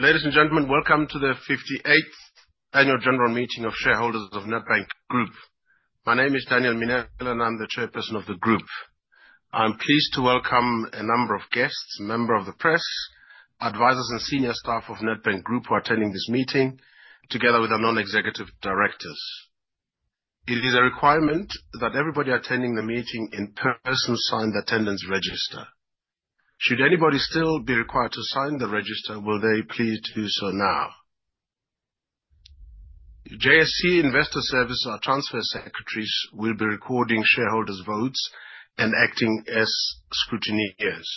Ladies and gentlemen, welcome to the 58th annual general meeting of shareholders of Nedbank Group. My name is Daniel Mminele, and I'm the Chairperson of the Group. I'm pleased to welcome a number of guests, members of the press, advisors, and senior staff of Nedbank Group who are attending this meeting together with our non-executive directors. It is a requirement that everybody attending the meeting in person sign the attendance register. Should anybody still be required to sign the register, will they please do so now. JSE Investor Services, our transfer secretaries, will be recording shareholders' votes and acting as scrutineers.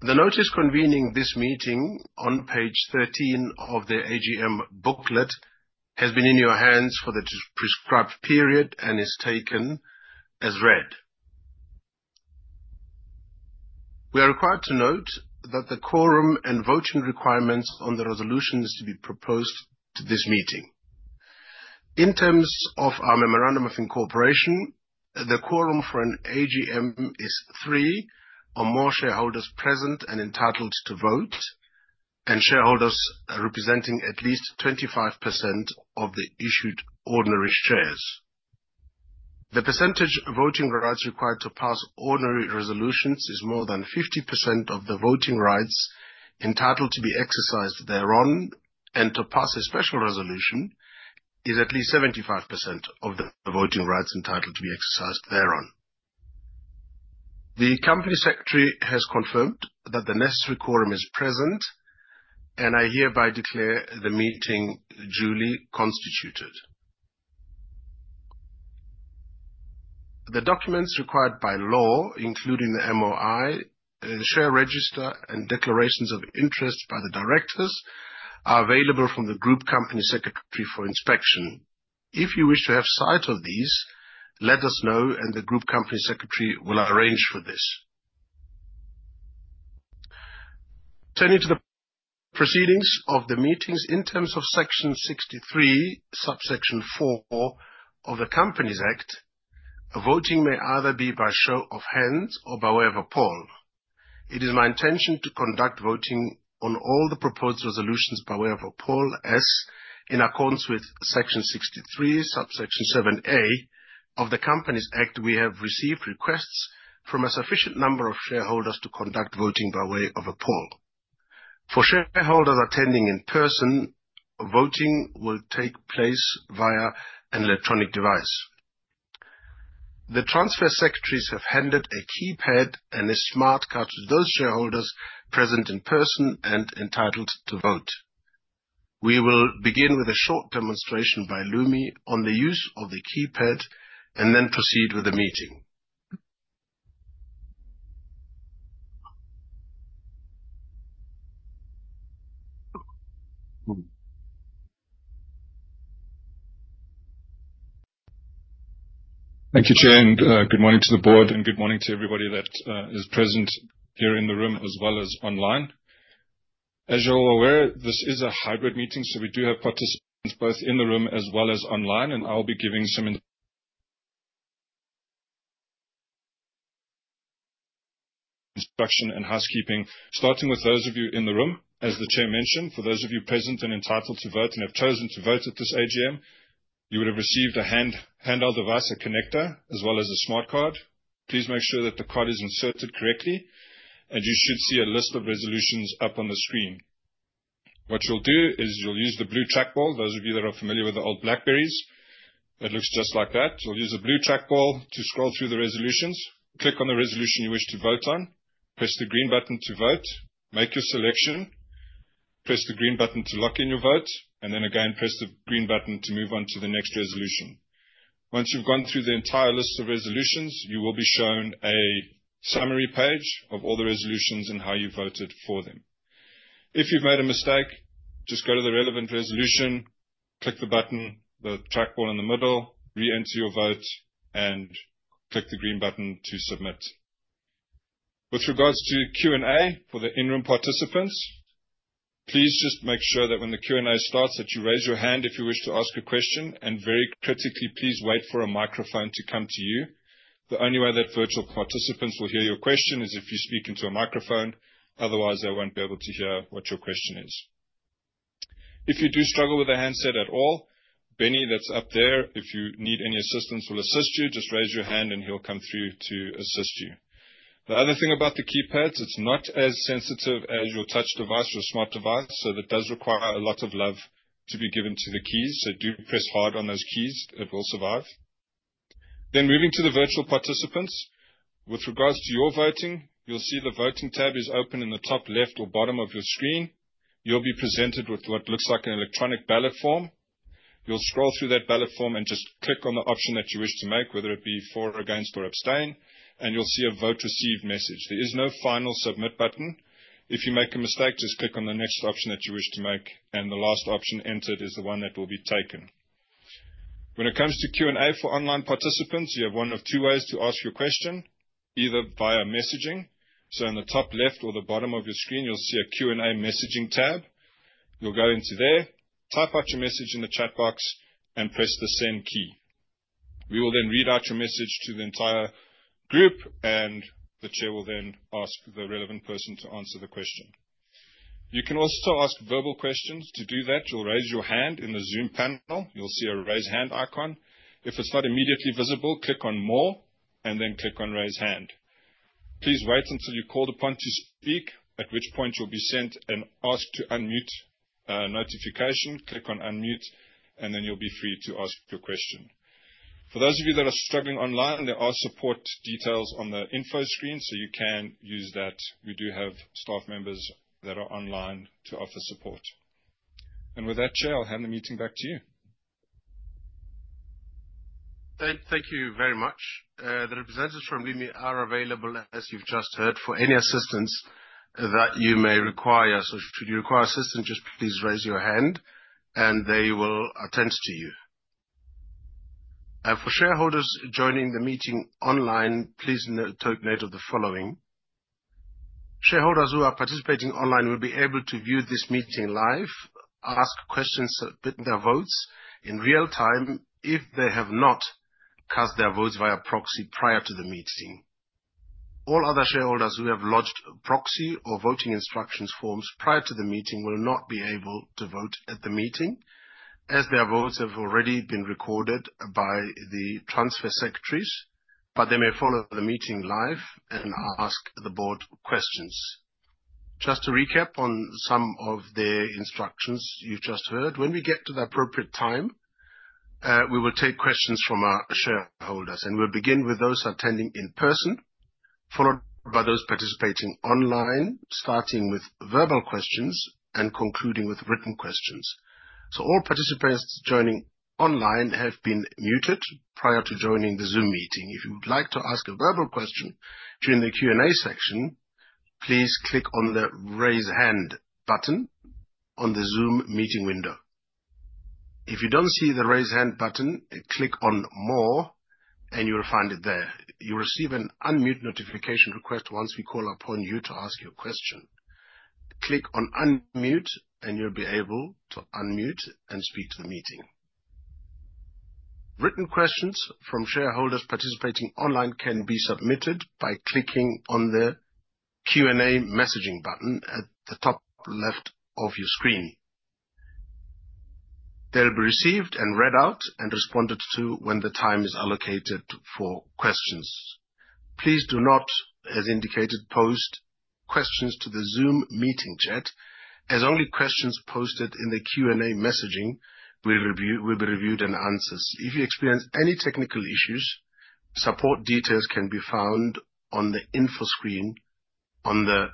The notice convening this meeting on page 13 of the AGM booklet has been in your hands for the prescribed period and is taken as read. We are required to note that the quorum and voting requirements on the resolutions to be proposed to this meeting. In terms of our memorandum of incorporation, the quorum for an AGM is three or more shareholders present and entitled to vote, and shareholders representing at least 25% of the issued ordinary shares. The percentage voting rights required to pass ordinary resolutions is more than 50% of the voting rights entitled to be exercised thereon, and to pass a special resolution is at least 75% of the voting rights entitled to be exercised thereon. The company secretary has confirmed that the necessary quorum is present, and I hereby declare the meeting duly constituted. The documents required by law, including the MOI, the share register, and declarations of interest by the directors, are available from the Group Company Secretary for inspection. If you wish to have sight of these, let us know and the Group Company Secretary will arrange for this. Turning to the proceedings of the meetings in terms of Section 63, subsection four of the Companies Act, voting may either be by show of hands or by way of a poll. It is my intention to conduct voting on all the proposed resolutions by way of a poll, as in accordance with Section 63, subsection 7A of the Companies Act. We have received requests from a sufficient number of shareholders to conduct voting by way of a poll. For shareholders attending in person, voting will take place via an electronic device. The transfer secretaries have handed a keypad and a smart card to those shareholders present in person and entitled to vote. We will begin with a short demonstration by Lumi on the use of the keypad and then proceed with the meeting. Thank you, Chair, and good morning to the board, and good morning to everybody that is present here in the room as well as online. As you're all aware, this is a hybrid meeting, so we do have participants both in the room as well as online, and I'll be giving some instruction and housekeeping. Starting with those of you in the room, as the Chair mentioned, for those of you present and entitled to vote and have chosen to vote at this AGM, you would have received a handheld device, a connector, as well as a smart card. Please make sure that the card is inserted correctly, and you should see a list of resolutions up on the screen. What you'll do is you'll use the blue trackball. Those of you that are familiar with the old BlackBerry, it looks just like that. You'll use the blue trackball to scroll through the resolutions. Click on the resolution you wish to vote on. Press the green button to vote. Make your selection. Press the green button to lock in your vote, and then again, press the green button to move on to the next resolution. Once you've gone through the entire list of resolutions, you will be shown a summary page of all the resolutions and how you voted for them. If you've made a mistake, just go to the relevant resolution, click the button, the trackball in the middle, re-enter your vote, and click the green button to submit. With regards to Q&A for the in-room participants, please just make sure that when the Q&A starts, that you raise your hand if you wish to ask a question, and very critically, please wait for a microphone to come to you. The only way that virtual participants will hear your question is if you speak into a microphone. Otherwise, they won't be able to hear what your question is. If you do struggle with the handset at all, Benny, that's up there. If you need any assistance, we'll assist you. Just raise your hand and he'll come through to assist you. The other thing about the keypad, it's not as sensitive as your touch device or smart device, so that does require a lot of love to be given to the keys. Do press hard on those keys. It will survive. Moving to the virtual participants. With regards to your voting, you'll see the voting tab is open in the top left or bottom of your screen. You'll be presented with what looks like an electronic ballot form. You'll scroll through that ballot form and just click on the option that you wish to make, whether it be for or against or abstain, and you'll see a vote received message. There is no final submit button. If you make a mistake, just click on the next option that you wish to make, and the last option entered is the one that will be taken. When it comes to Q&A for online participants, you have one of two ways to ask your question, either via messaging. In the top left or the bottom of your screen, you'll see a Q&A messaging tab. You'll go into there, type out your message in the chat box, and press the send key. We will then read out your message to the entire group, and the Chair will then ask the relevant person to answer the question. You can also ask verbal questions. To do that, you'll raise your hand in the Zoom panel. You'll see a Raise Hand icon. If it's not immediately visible, click on More, and then click on Raise Hand. Please wait until you're called upon to speak, at which point you'll be sent an ask to unmute notification. Click on Unmute, and then you'll be free to ask your question. For those of you that are struggling online, there are support details on the info screen, so you can use that. We do have staff members that are online to offer support. With that, Chair, I'll hand the meeting back to you. Thank you very much. The representatives from Vimi are available, as you've just heard, for any assistance that you may require. Should you require assistance, just please raise your hand and they will attend to you. For shareholders joining the meeting online, please take note of the following. Shareholders who are participating online will be able to view this meeting live, ask questions, submit their votes in real-time if they have not cast their votes via proxy prior to the meeting. All other shareholders who have lodged proxy or voting instructions forms prior to the meeting will not be able to vote at the meeting, as their votes have already been recorded by the transfer secretaries. They may follow the meeting live and ask the board questions. Just to recap on some of the instructions you've just heard. When we get to the appropriate time, we will take questions from our shareholders, and we'll begin with those attending in person, followed by those participating online, starting with verbal questions and concluding with written questions. All participants joining online have been muted prior to joining the Zoom meeting. If you would like to ask a verbal question during the Q&A section, please click on the Raise Hand button on the Zoom meeting window. If you don't see the Raise Hand button, click on More and you will find it there. You'll receive an Unmute notification request once we call upon you to ask your question. Click on Unmute, and you'll be able to unmute and speak to the meeting. Written questions from shareholders participating online can be submitted by clicking on the Q&A messaging button at the top left of your screen. They'll be received and read out and responded to when the time is allocated for questions. Please do not, as indicated, post questions to the Zoom meeting chat, as only questions posted in the Q&A messaging will be reviewed and answered. If you experience any technical issues, support details can be found on the info screen on the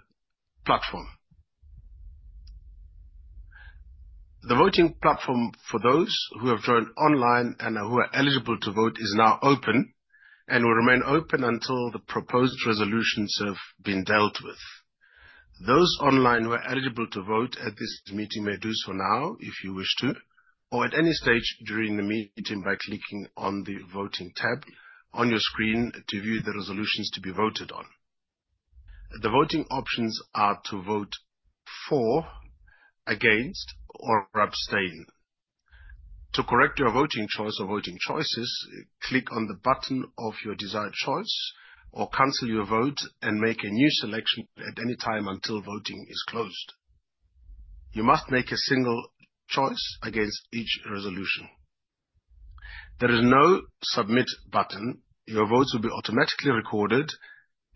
platform. The voting platform for those who have joined online and who are eligible to vote is now open and will remain open until the proposed resolutions have been dealt with. Those online who are eligible to vote at this meeting may do so now if you wish to, or at any stage during the meeting by clicking on the Voting tab on your screen to view the resolutions to be voted on. The voting options are to vote for, against, or abstain. To correct your voting choice or voting choices, click on the button of your desired choice or cancel your vote and make a new selection at any time until voting is closed. You must make a single choice against each resolution. There is no submit button. Your votes will be automatically recorded,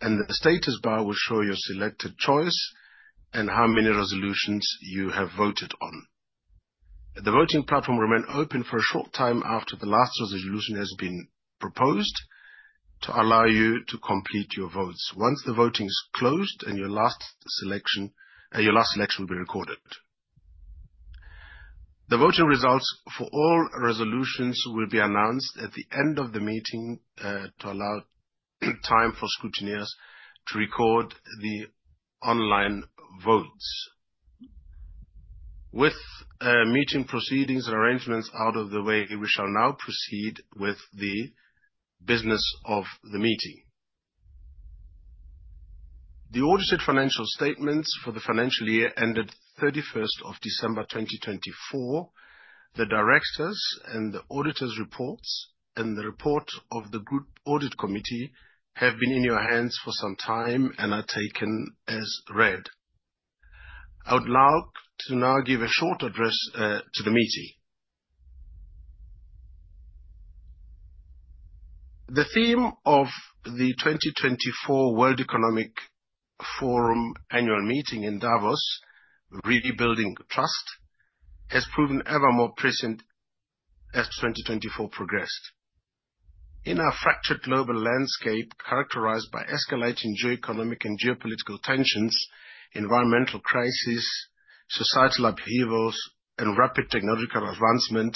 and the status bar will show your selected choice and how many resolutions you have voted on. The voting platform will remain open for a short time after the last resolution has been proposed to allow you to complete your votes. Once the voting is closed and your last selection will be recorded. The voting results for all resolutions will be announced at the end of the meeting, to allow time for scrutineers to record the online votes. With meeting proceedings and arrangements out of the way, we shall now proceed with the business of the meeting. The audited financial statements for the financial year ended 31st of December 2024. The directors and the auditors' reports and the report of the Group Audit Committee have been in your hands for some time and are taken as read. I would like to now give a short address to the meeting. The theme of the 2024 World Economic Forum Annual Meeting in Davos, rebuilding trust, has proven ever more prescient as 2024 progressed. In our fractured global landscape, characterized by escalating geoeconomic and geopolitical tensions, environmental crisis, societal upheavals, and rapid technological advancement,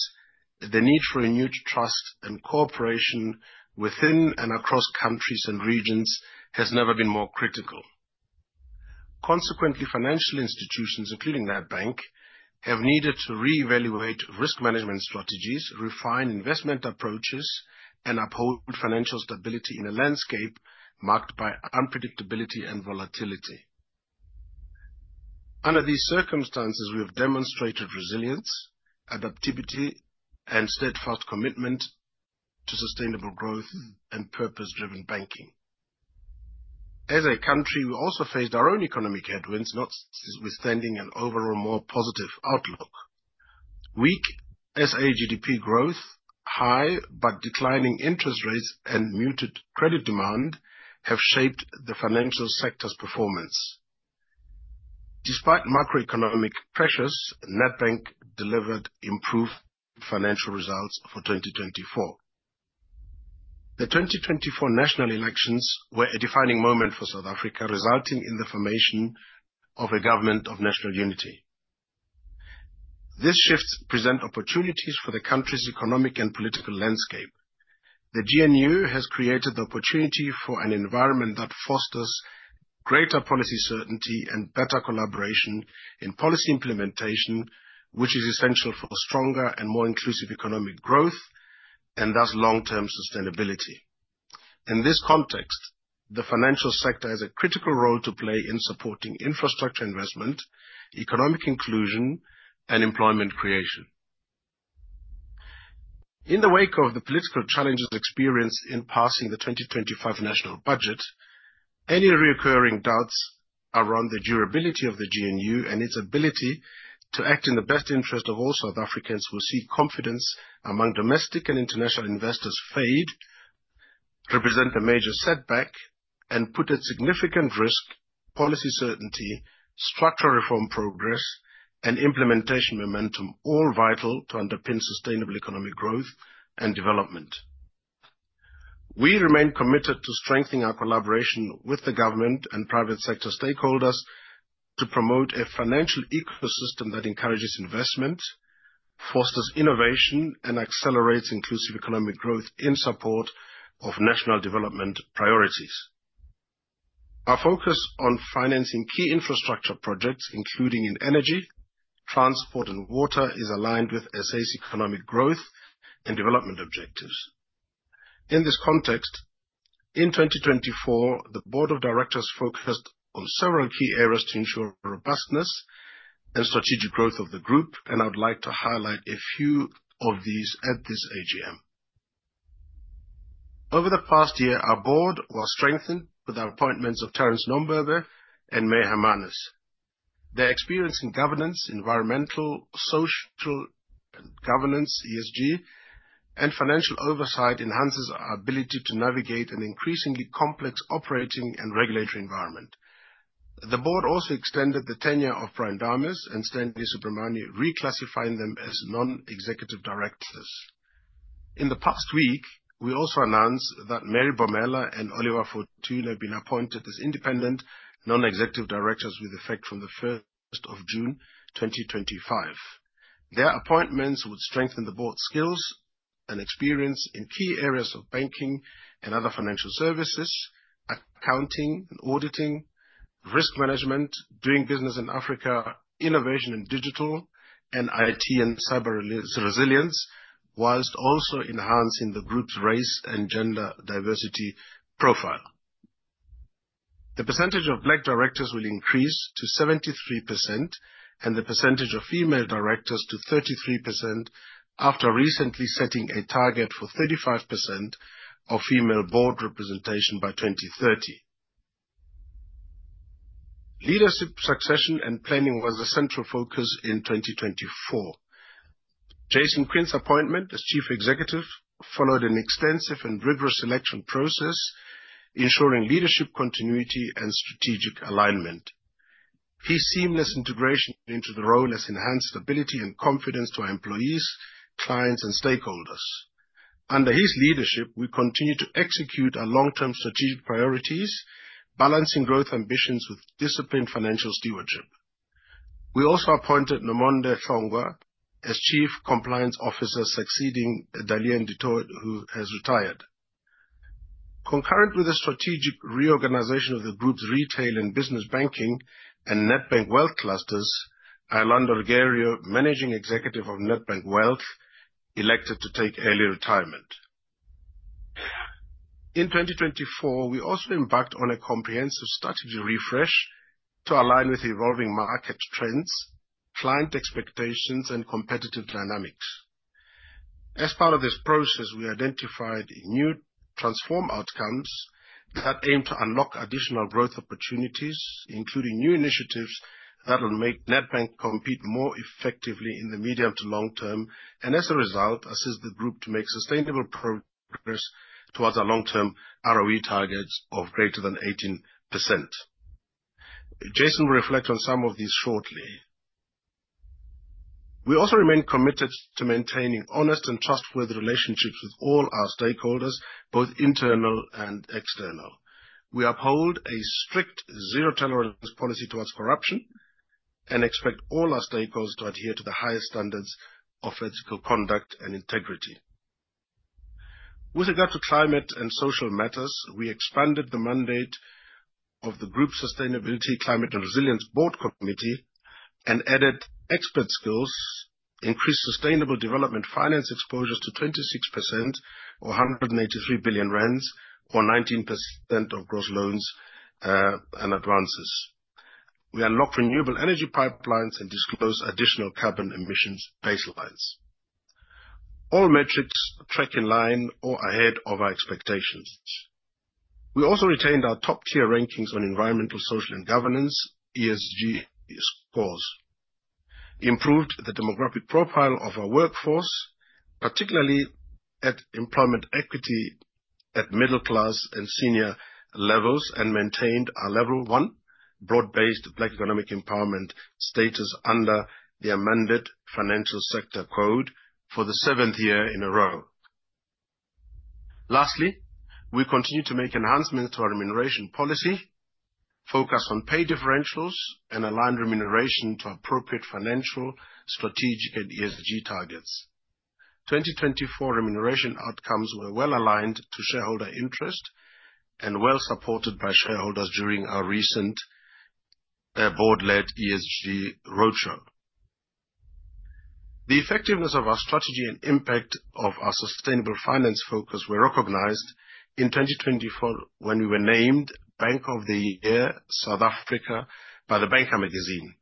the need for renewed trust and cooperation within and across countries and regions has never been more critical. Consequently, financial institutions, including Nedbank, have needed to reevaluate risk management strategies, refine investment approaches, and uphold financial stability in a landscape marked by unpredictability and volatility. Under these circumstances, we have demonstrated resilience, adaptivity, and steadfast commitment to sustainable growth and purpose-driven banking. As a country, we also faced our own economic headwinds, notwithstanding an overall more positive outlook. Weak SA GDP growth, high but declining interest rates, and muted credit demand have shaped the financial sector's performance. Despite macroeconomic pressures, Nedbank delivered improved financial results for 2024. The 2024 national elections were a defining moment for South Africa, resulting in the formation of a government of national unity. These shifts present opportunities for the country's economic and political landscape. The GNU has created the opportunity for an environment that fosters greater policy certainty and better collaboration in policy implementation, which is essential for stronger and more inclusive economic growth, and thus long-term sustainability. In this context, the financial sector has a critical role to play in supporting infrastructure investment, economic inclusion, and employment creation. In the wake of the political challenges experienced in passing the 2025 national budget, any reoccurring doubts around the durability of the GNU and its ability to act in the best interest of all South Africans will see confidence among domestic and international investors fade, represent a major setback, and put at significant risk policy certainty, structural reform progress, and implementation momentum, all vital to underpin sustainable economic growth and development. We remain committed to strengthening our collaboration with the government and private sector stakeholders to promote a financial ecosystem that encourages investment, fosters innovation, and accelerates inclusive economic growth in support of national development priorities. Our focus on financing key infrastructure projects, including in energy, transport, and water, is aligned with SA's economic growth and development objectives. In this context, in 2024, the board of directors focused on several key areas to ensure robustness and strategic growth of the group, and I would like to highlight a few of these at this AGM. Over the past year, our board was strengthened with our appointments of Terence Nombembe and May Hermanus. Their experience in governance, environmental, social governance, ESG, and financial oversight enhances our ability to navigate an increasingly complex operating and regulatory environment. The board also extended the tenure of Brian Dames and Stanley Subramoney, reclassifying them as non-executive directors. In the past week, we also announced that Mary Bomela and Oliver Fortuin have been appointed as independent non-executive directors with effect from the 1st of June 2025. Their appointments would strengthen the board's skills and experience in key areas of banking and other financial services, accounting and auditing, risk management, doing business in Africa, innovation in digital, and IT and cyber resilience, whilst also enhancing the group's race and gender diversity profile. The percentage of Black directors will increase to 73% and the percentage of female directors to 33% after recently setting a target for 35% of female board representation by 2030. Leadership succession and planning was a central focus in 2024. Jason Quinn's appointment as Chief Executive followed an extensive and rigorous selection process ensuring leadership continuity and strategic alignment. His seamless integration into the role has enhanced stability and confidence to our employees, clients, and stakeholders. Under his leadership, we continue to execute our long-term strategic priorities, balancing growth ambitions with disciplined financial stewardship. We also appointed Nomonde Hlongwa as Chief Compliance Officer, succeeding Daleen du Toit, who has retired. Concurrent with the strategic reorganization of the group's retail and business banking and Nedbank Wealth clusters, Iolanda Ruggiero, Managing Executive of Nedbank Wealth, elected to take early retirement. In 2024, we also embarked on a comprehensive strategy refresh to align with evolving market trends, client expectations, and competitive dynamics. As part of this process, we identified new transform outcomes that aim to unlock additional growth opportunities, including new initiatives that will make Nedbank compete more effectively in the medium to long term, and as a result, assist the group to make sustainable progress towards our long-term ROE targets of greater than 18%. Jason will reflect on some of these shortly. We also remain committed to maintaining honest and trustworthy relationships with all our stakeholders, both internal and external. We uphold a strict zero-tolerance policy towards corruption and expect all our stakeholders to adhere to the highest standards of ethical conduct and integrity. With regard to climate and social matters, we expanded the mandate of the Group Sustainability and Climate Resilience Committee, and added expert skills increased sustainable development finance exposures to 26%, or 183 billion rand, or 19% of gross loans and advances. We unlocked renewable energy pipelines and disclosed additional carbon emissions baselines. All metrics track in line or ahead of our expectations. We also retained our top-tier rankings on environmental, social, and governance, ESG scores, improved the demographic profile of our workforce, particularly at employment equity, at middle-class and senior levels, and maintained our level 1 Broad-Based Black Economic Empowerment status under the Amended Financial Sector Code for the seventh year in a row. Lastly, we continue to make enhancements to our remuneration policy, focus on pay differentials, and align remuneration to appropriate financial, strategic, and ESG targets. 2024 remuneration outcomes were well-aligned to shareholder interest and well supported by shareholders during our recent board-led ESG roadshow. The effectiveness of our strategy and impact of our sustainable finance focus were recognized in 2024 when we were named Bank of the Year South Africa by The Banker magazine.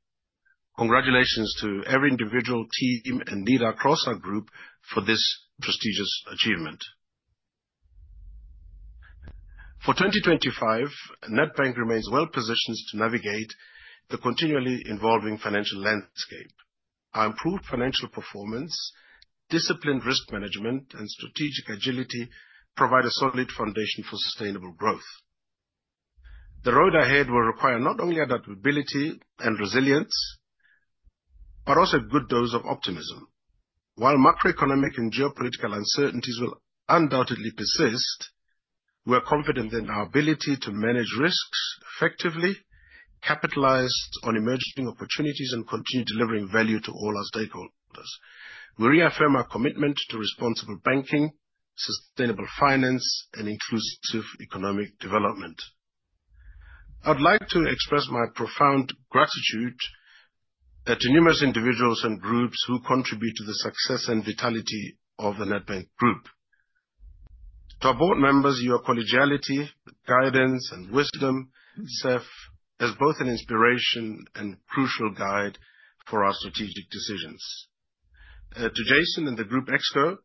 Congratulations to every individual, team, and leader across our group for this prestigious achievement. For 2025, Nedbank remains well-positioned to navigate the continually evolving financial landscape. Our improved financial performance, disciplined risk management, and strategic agility provide a solid foundation for sustainable growth. The road ahead will require not only adaptability and resilience, but also a good dose of optimism. While macroeconomic and geopolitical uncertainties will undoubtedly persist, we are confident in our ability to manage risks effectively, capitalize on emerging opportunities, and continue delivering value to all our stakeholders. We reaffirm our commitment to responsible banking, sustainable finance, and inclusive economic development. I'd like to express my profound gratitude to numerous individuals and groups who contribute to the success and vitality of the Nedbank Group. To our board members, your collegiality, guidance, and wisdom serve as both an inspiration and crucial guide for our strategic decisions. To Jason and the Group Exco,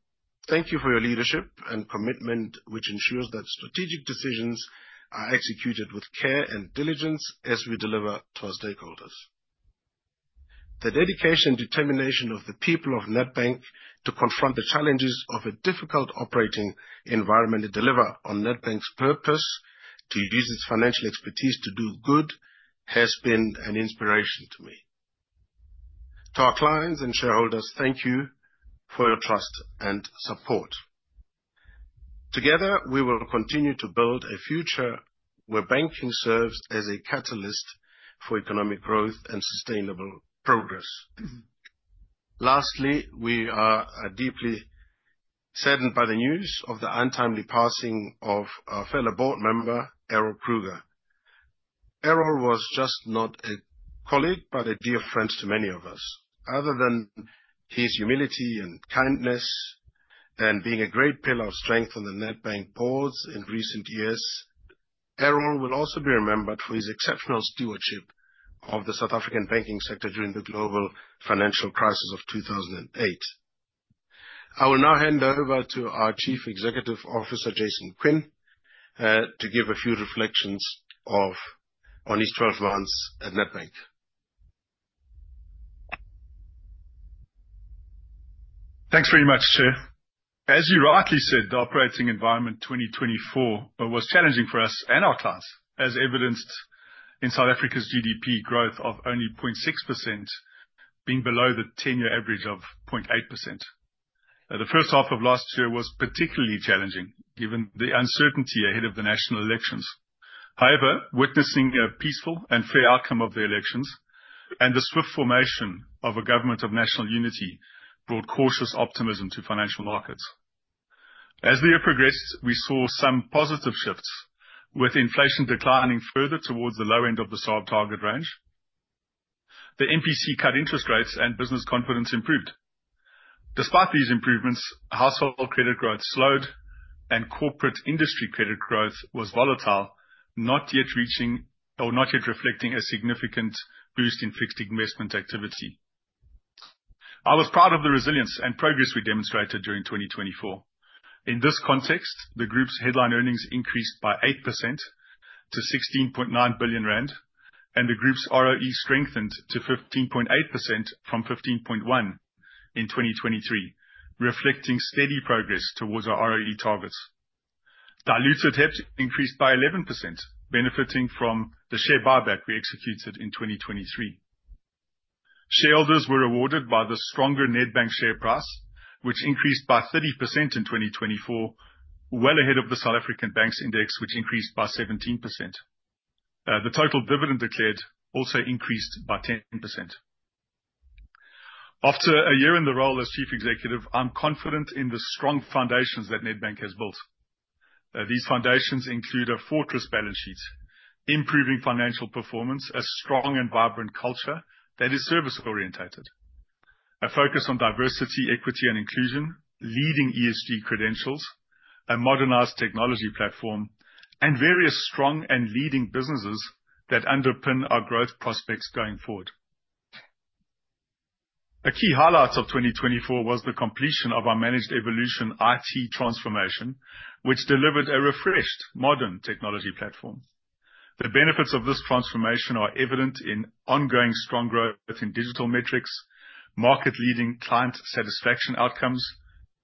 thank you for your leadership and commitment, which ensures that strategic decisions are executed with care and diligence as we deliver to our stakeholders. The dedication and determination of the people of Nedbank to confront the challenges of a difficult operating environment and deliver on Nedbank's purpose to use its financial expertise to do good has been an inspiration to me. To our clients and shareholders, thank you for your trust and support. Together, we will continue to build a future where banking serves as a catalyst for economic growth and sustainable progress. Lastly, we are deeply saddened by the news of the untimely passing of our fellow board member, Errol Kruger. Errol was not just a colleague but a dear friend to many of us. Other than his humility and kindness, and being a great pillar of strength on the Nedbank boards in recent years, Errol will also be remembered for his exceptional stewardship of the South African banking sector during the global financial crisis of 2008. I will now hand over to our Chief Executive Officer, Jason Quinn, to give a few reflections on his 12 months at Nedbank. Thanks very much, Chair. As you rightly said, the operating environment 2024 was challenging for us and our clients, as evidenced in South Africa's GDP growth of only 0.6% being below the 10-year average of 0.8%. The first half of last year was particularly challenging given the uncertainty ahead of the national elections. However, witnessing a peaceful and fair outcome of the elections and the swift formation of a Government of National Unity brought cautious optimism to financial markets. As the year progressed, we saw some positive shifts. With inflation declining further towards the low end of the SARB target range. The MPC cut interest rates and business confidence improved. Despite these improvements, household credit growth slowed, and corporate industry credit growth was volatile, not yet reflecting a significant boost in fixed investment activity. I was proud of the resilience and progress we demonstrated during 2024. In this context, the group's headline earnings increased by 8% to 16.9 billion rand, and the group's ROE strengthened to 15.8% from 15.1% in 2023, reflecting steady progress towards our ROE targets. Diluted HEPS increased by 11%, benefiting from the share buyback we executed in 2023. Shareholders were rewarded by the stronger Nedbank share price, which increased by 30% in 2024, well ahead of the FTSE/JSE SA Banks Index, which increased by 17%. The total dividend declared also increased by 10%. After a year in the role as chief executive, I'm confident in the strong foundations that Nedbank has built. These foundations include a fortress balance sheet, improving financial performance, a strong and vibrant culture that is service orientated, a focus on diversity, equity and inclusion, leading ESG credentials, a modernized technology platform, and various strong and leading businesses that underpin our growth prospects going forward. A key highlight of 2024 was the completion of our Managed Evolution IT transformation, which delivered a refreshed modern technology platform. The benefits of this transformation are evident in ongoing strong growth in digital metrics, market leading client satisfaction outcomes,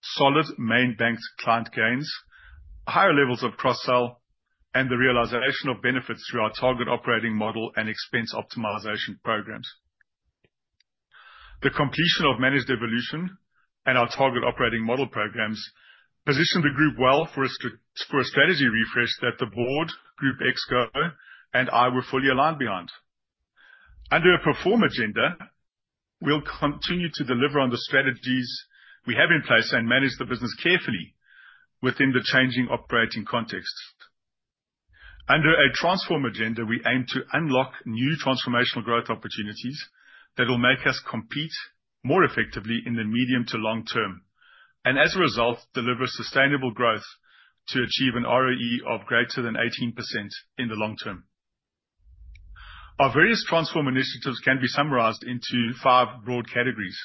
solid main bank client gains, higher levels of cross-sell, and the realization of benefits through our Target Operating Model and expense optimization programs. The completion of Managed Evolution and our Target Operating Model programs positioned the group well for a strategy refresh that the board, Group Exco, and I were fully aligned behind. Under a perform agenda, we'll continue to deliver on the strategies we have in place and manage the business carefully within the changing operating context. Under a transform agenda, we aim to unlock new transformational growth opportunities that will make us compete more effectively in the medium to long term, and as a result, deliver sustainable growth to achieve an ROE of greater than 18% in the long term. Our various transform initiatives can be summarized into 5 broad categories.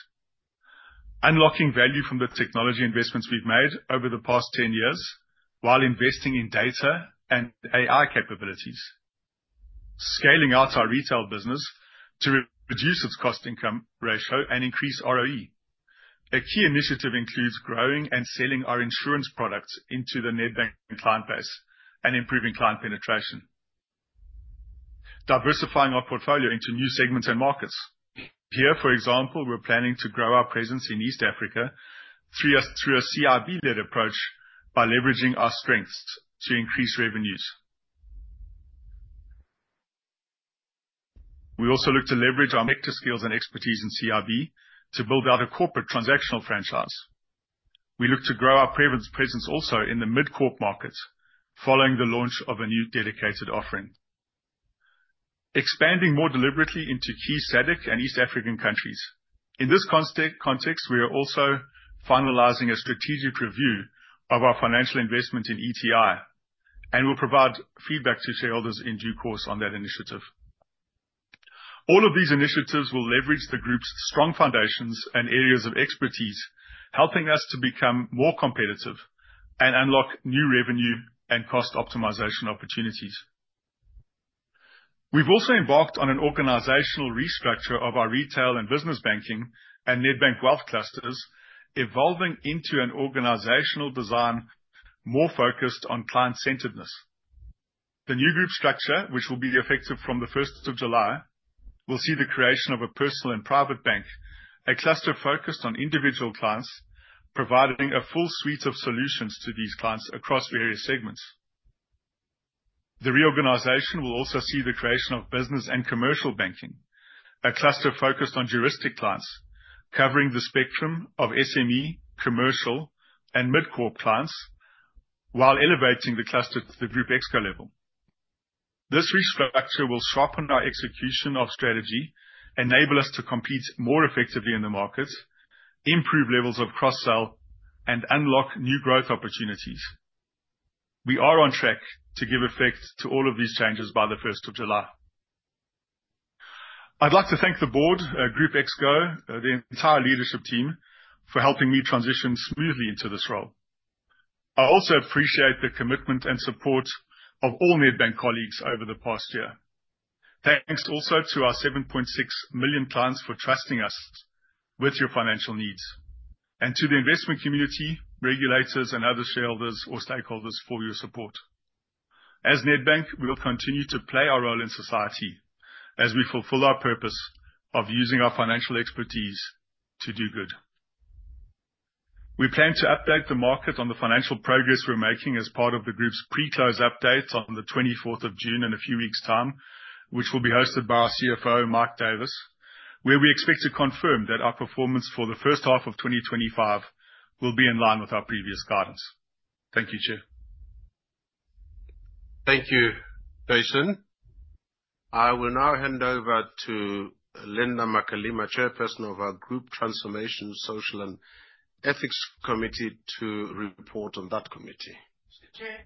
Unlocking value from the technology investments we've made over the past 10 years, while investing in data and AI capabilities. Scaling out our retail business to reduce its cost income ratio and increase ROE. A key initiative includes growing and selling our insurance products into the Nedbank client base and improving client penetration. Diversifying our portfolio into new segments and markets. Here, for example, we're planning to grow our presence in East Africa through a CIB-led approach by leveraging our strengths to increase revenues. We also look to leverage our sector skills and expertise in CIB to build out a corporate transactional franchise. We look to grow our presence also in the mid-corporate market following the launch of a new dedicated offering. Expanding more deliberately into key SADC and East African countries. In this context, we are also finalizing a strategic review of our financial investment in ETI and will provide feedback to shareholders in due course on that initiative. All of these initiatives will leverage the group's strong foundations and areas of expertise, helping us to become more competitive and unlock new revenue and cost optimization opportunities. We've also embarked on an organizational restructure of our retail and business banking and Nedbank Wealth clusters, evolving into an organizational design more focused on client centeredness. The new group structure, which will be effective from the 1st of July, will see the creation of a personal and private bank, a cluster focused on individual clients, providing a full suite of solutions to these clients across various segments. The reorganization will also see the creation of business and commercial banking, a cluster focused on juristic clients covering the spectrum of SME, commercial, and mid-corporate clients while elevating the cluster to the Group Exco level. This restructure will sharpen our execution of strategy, enable us to compete more effectively in the market, improve levels of cross-sell, and unlock new growth opportunities. We are on track to give effect to all of these changes by the 1st of July. I'd like to thank the board, Group Exco, the entire leadership team for helping me transition smoothly into this role. I also appreciate the commitment and support of all Nedbank colleagues over the past year. Thanks also to our 7.6 million clients for trusting us with your financial needs, and to the investment community, regulators, and other shareholders or stakeholders for your support. As Nedbank, we will continue to play our role in society as we fulfill our purpose of using our financial expertise to do good. We plan to update the market on the financial progress we're making as part of the group's pre-close update on the 24th of June in a few weeks time, which will be hosted by our CFO, Mike Davis, where we expect to confirm that our performance for the first half of 2025 will be in line with our previous guidance. Thank you, Chair. Thank you, Jason. I will now hand over to Linda Makalima, Chairperson of our Group Transformation, Social and Ethics Committee, to report on that committee. Chair.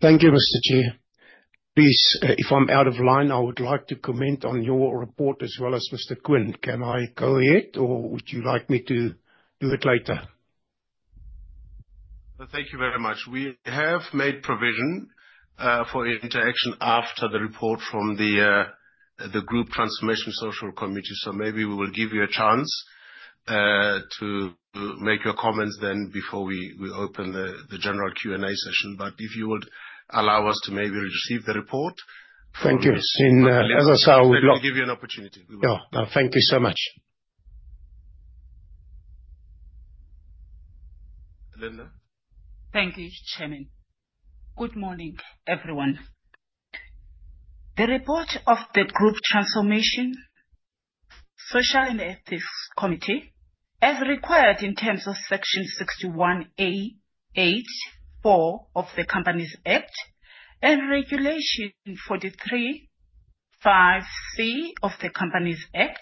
Thank you, Mr. Chair. Please, if I'm out of line, I would like to comment on your report as well as Mr. Quinn. Can I go yet or would you like me to do it later? Thank you very much. We have made provision for interaction after the report from the Group Transformation Social Committee. Maybe we will give you a chance to make your comments then before we open the general Q&A session. If you would allow us to maybe receive the report. Thank you. As I said. We give you an opportunity. Thank you so much. Lindiwe? Thank you, Chairman. Good morning, everyone. The report of the Group Transformation, Social and Ethics Committee, as required in terms of Section 61A (8) (4) of the Companies Act and Regulation 43 (5) (C) of the Companies Act,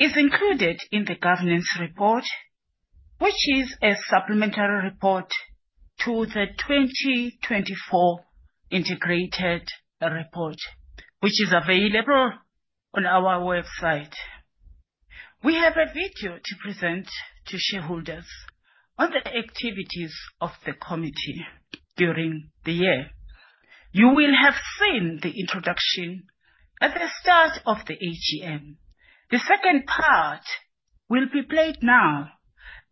is included in the governance report, which is a supplementary report to the 2024 integrated report, which is available on our website. We have a video to present to shareholders on the activities of the committee during the year. You will have seen the introduction at the start of the AGM. The second part will be played now,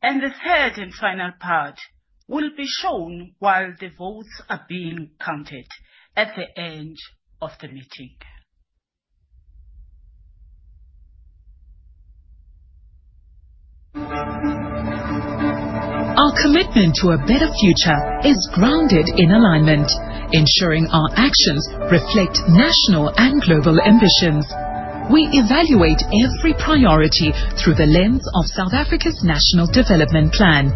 and the third and final part will be shown while the votes are being counted at the end of the meeting. Our commitment to a better future is grounded in alignment, ensuring our actions reflect national and global ambitions. We evaluate every priority through the lens of South Africa's National Development Plan,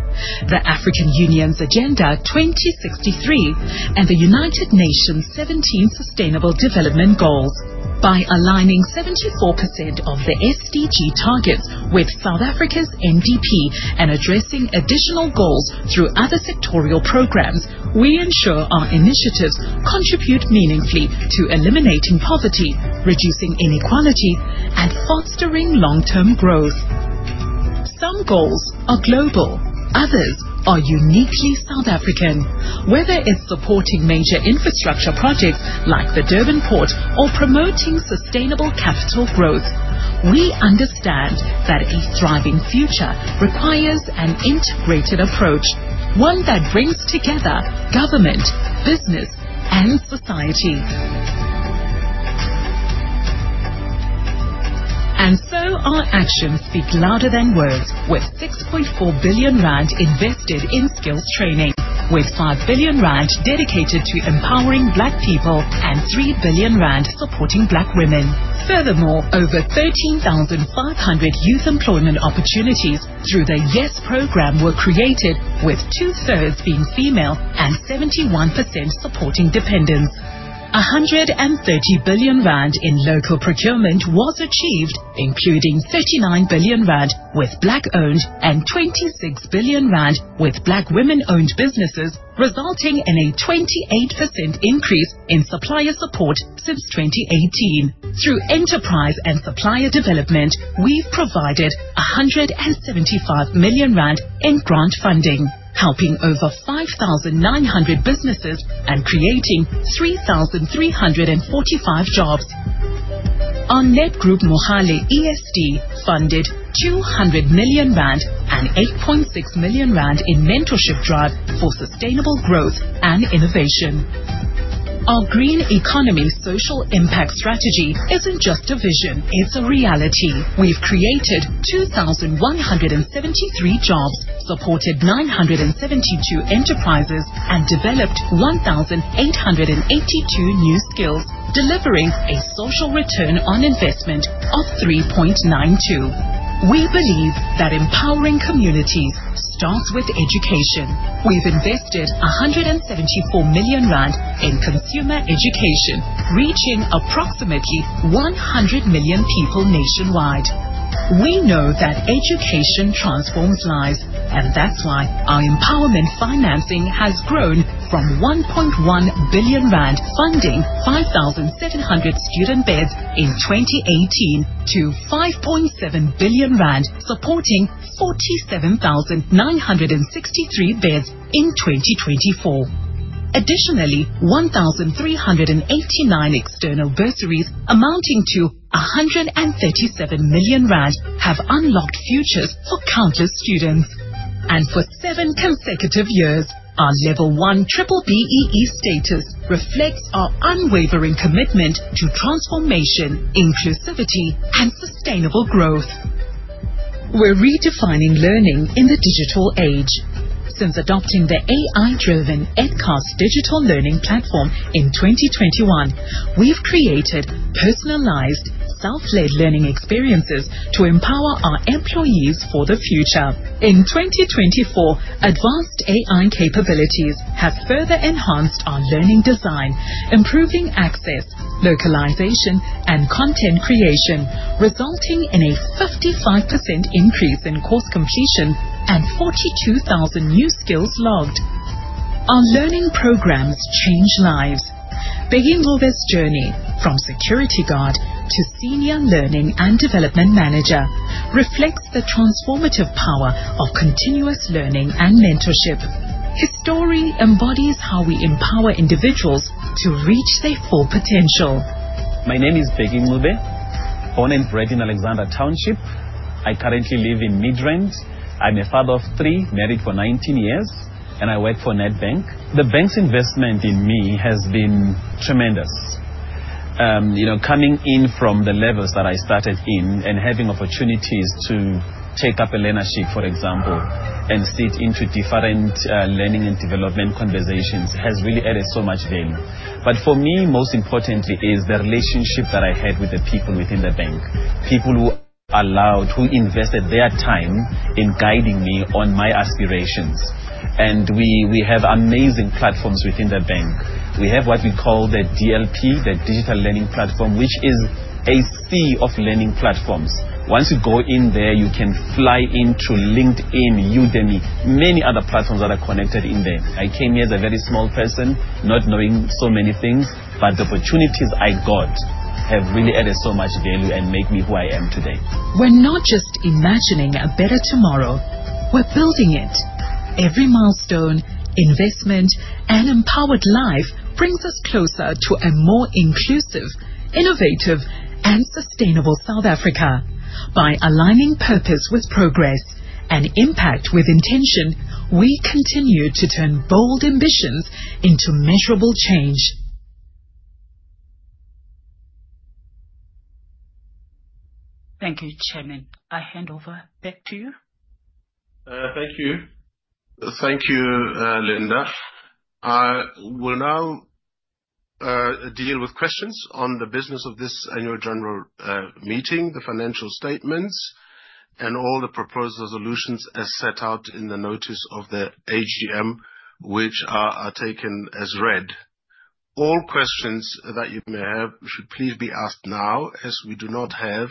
the African Union's Agenda 2063, and the United Nations' 17 Sustainable Development Goals. By aligning 74% of the SDG targets with South Africa's NDP and addressing additional goals through other sectorial programs, we ensure our initiatives contribute meaningfully to eliminating poverty, reducing inequality, and fostering long-term growth. Some goals are global, others are uniquely South African. Whether it's supporting major infrastructure projects like the Durban Port or promoting sustainable capital growth, we understand that a thriving future requires an integrated approach, one that brings together government, business, and society. Our actions speak louder than words, with 6.4 billion rand invested in skills training, with 5 billion rand dedicated to empowering Black people, and 3 billion rand supporting Black women. Furthermore, over 13,500 youth employment opportunities through the YES program were created, with two-thirds being female and 71% supporting dependents. 130 billion rand in local procurement was achieved, including 39 billion rand with Black-owned and 26 billion rand with Black women-owned businesses, resulting in a 28% increase in supplier support since 2018. Through enterprise and supplier development, we've provided 175 million rand in grant funding, helping over 5,900 businesses and creating 3,345 jobs. Our Nedgroup Mohale Trust funded 200 million rand and 8.6 million rand in mentorship drives for sustainable growth and innovation. Our green economy social impact strategy isn't just a vision, it's a reality. We've created 2,173 jobs, supported 972 enterprises, and developed 1,882 new skills, delivering a social return on investment of 3.92. We believe that empowering communities starts with education. We've invested 174 million rand in consumer education, reaching approximately 100 million people nationwide. We know that education transforms lives, and that's why our empowerment financing has grown from 1.1 billion rand, funding 5,700 student beds in 2018, to ZAR 5.7 billion, supporting 47,963 beds in 2024. Additionally, 1,389 external bursaries amounting to 137 million rand have unlocked futures for countless students. For seven consecutive years, our Level 1 BBEE status reflects our unwavering commitment to transformation, inclusivity, and sustainable growth. We're redefining learning in the digital age. Since adopting the AI-driven EdCast digital learning platform in 2021, we've created personalized, self-led learning experiences to empower our employees for the future. In 2024, advanced AI capabilities have further enhanced our learning design, improving access, localization, and content creation, resulting in a 55% increase in course completion and 42,000 new skills logged. Our learning programs change lives. Bheki Mhlongo's journey from security guard to Senior Learning and Development Manager reflects the transformative power of continuous learning and mentorship. His story embodies how we empower individuals to reach their full potential. My name is Bheki Mhlongo, born and bred in Alexandra Township. I currently live in Midrand. I'm a father of three, married for 19 years, and I work for Nedbank. The bank's investment in me has been tremendous. Coming in from the levels that I started in and having opportunities to take up a learnership, for example, and sit into different learning and development conversations has really added so much value. For me, most importantly is the relationship that I had with the people within the bank. People who allowed, who invested their time in guiding me on my aspirations. We have amazing platforms within the bank. We have what we call the DLP, the digital learning platform, which is a sea of learning platforms. Once you go in there, you can fly into LinkedIn, Udemy, many other platforms that are connected in there. I came here as a very small person, not knowing so many things, the opportunities I got have really added so much value and made me who I am today. We're not just imagining a better tomorrow, we're building it. Every milestone, investment, and empowered life brings us closer to a more inclusive, innovative, and sustainable South Africa. By aligning purpose with progress and impact with intention, we continue to turn bold ambitions into measurable change. Thank you, Chairman. I hand over back to you. Thank you. Thank you, Linda. We will now deal with questions on the business of this annual general meeting, the financial statements, and all the proposed resolutions as set out in the notice of the AGM, which are taken as read. All questions that you may have should please be asked now, as we do not have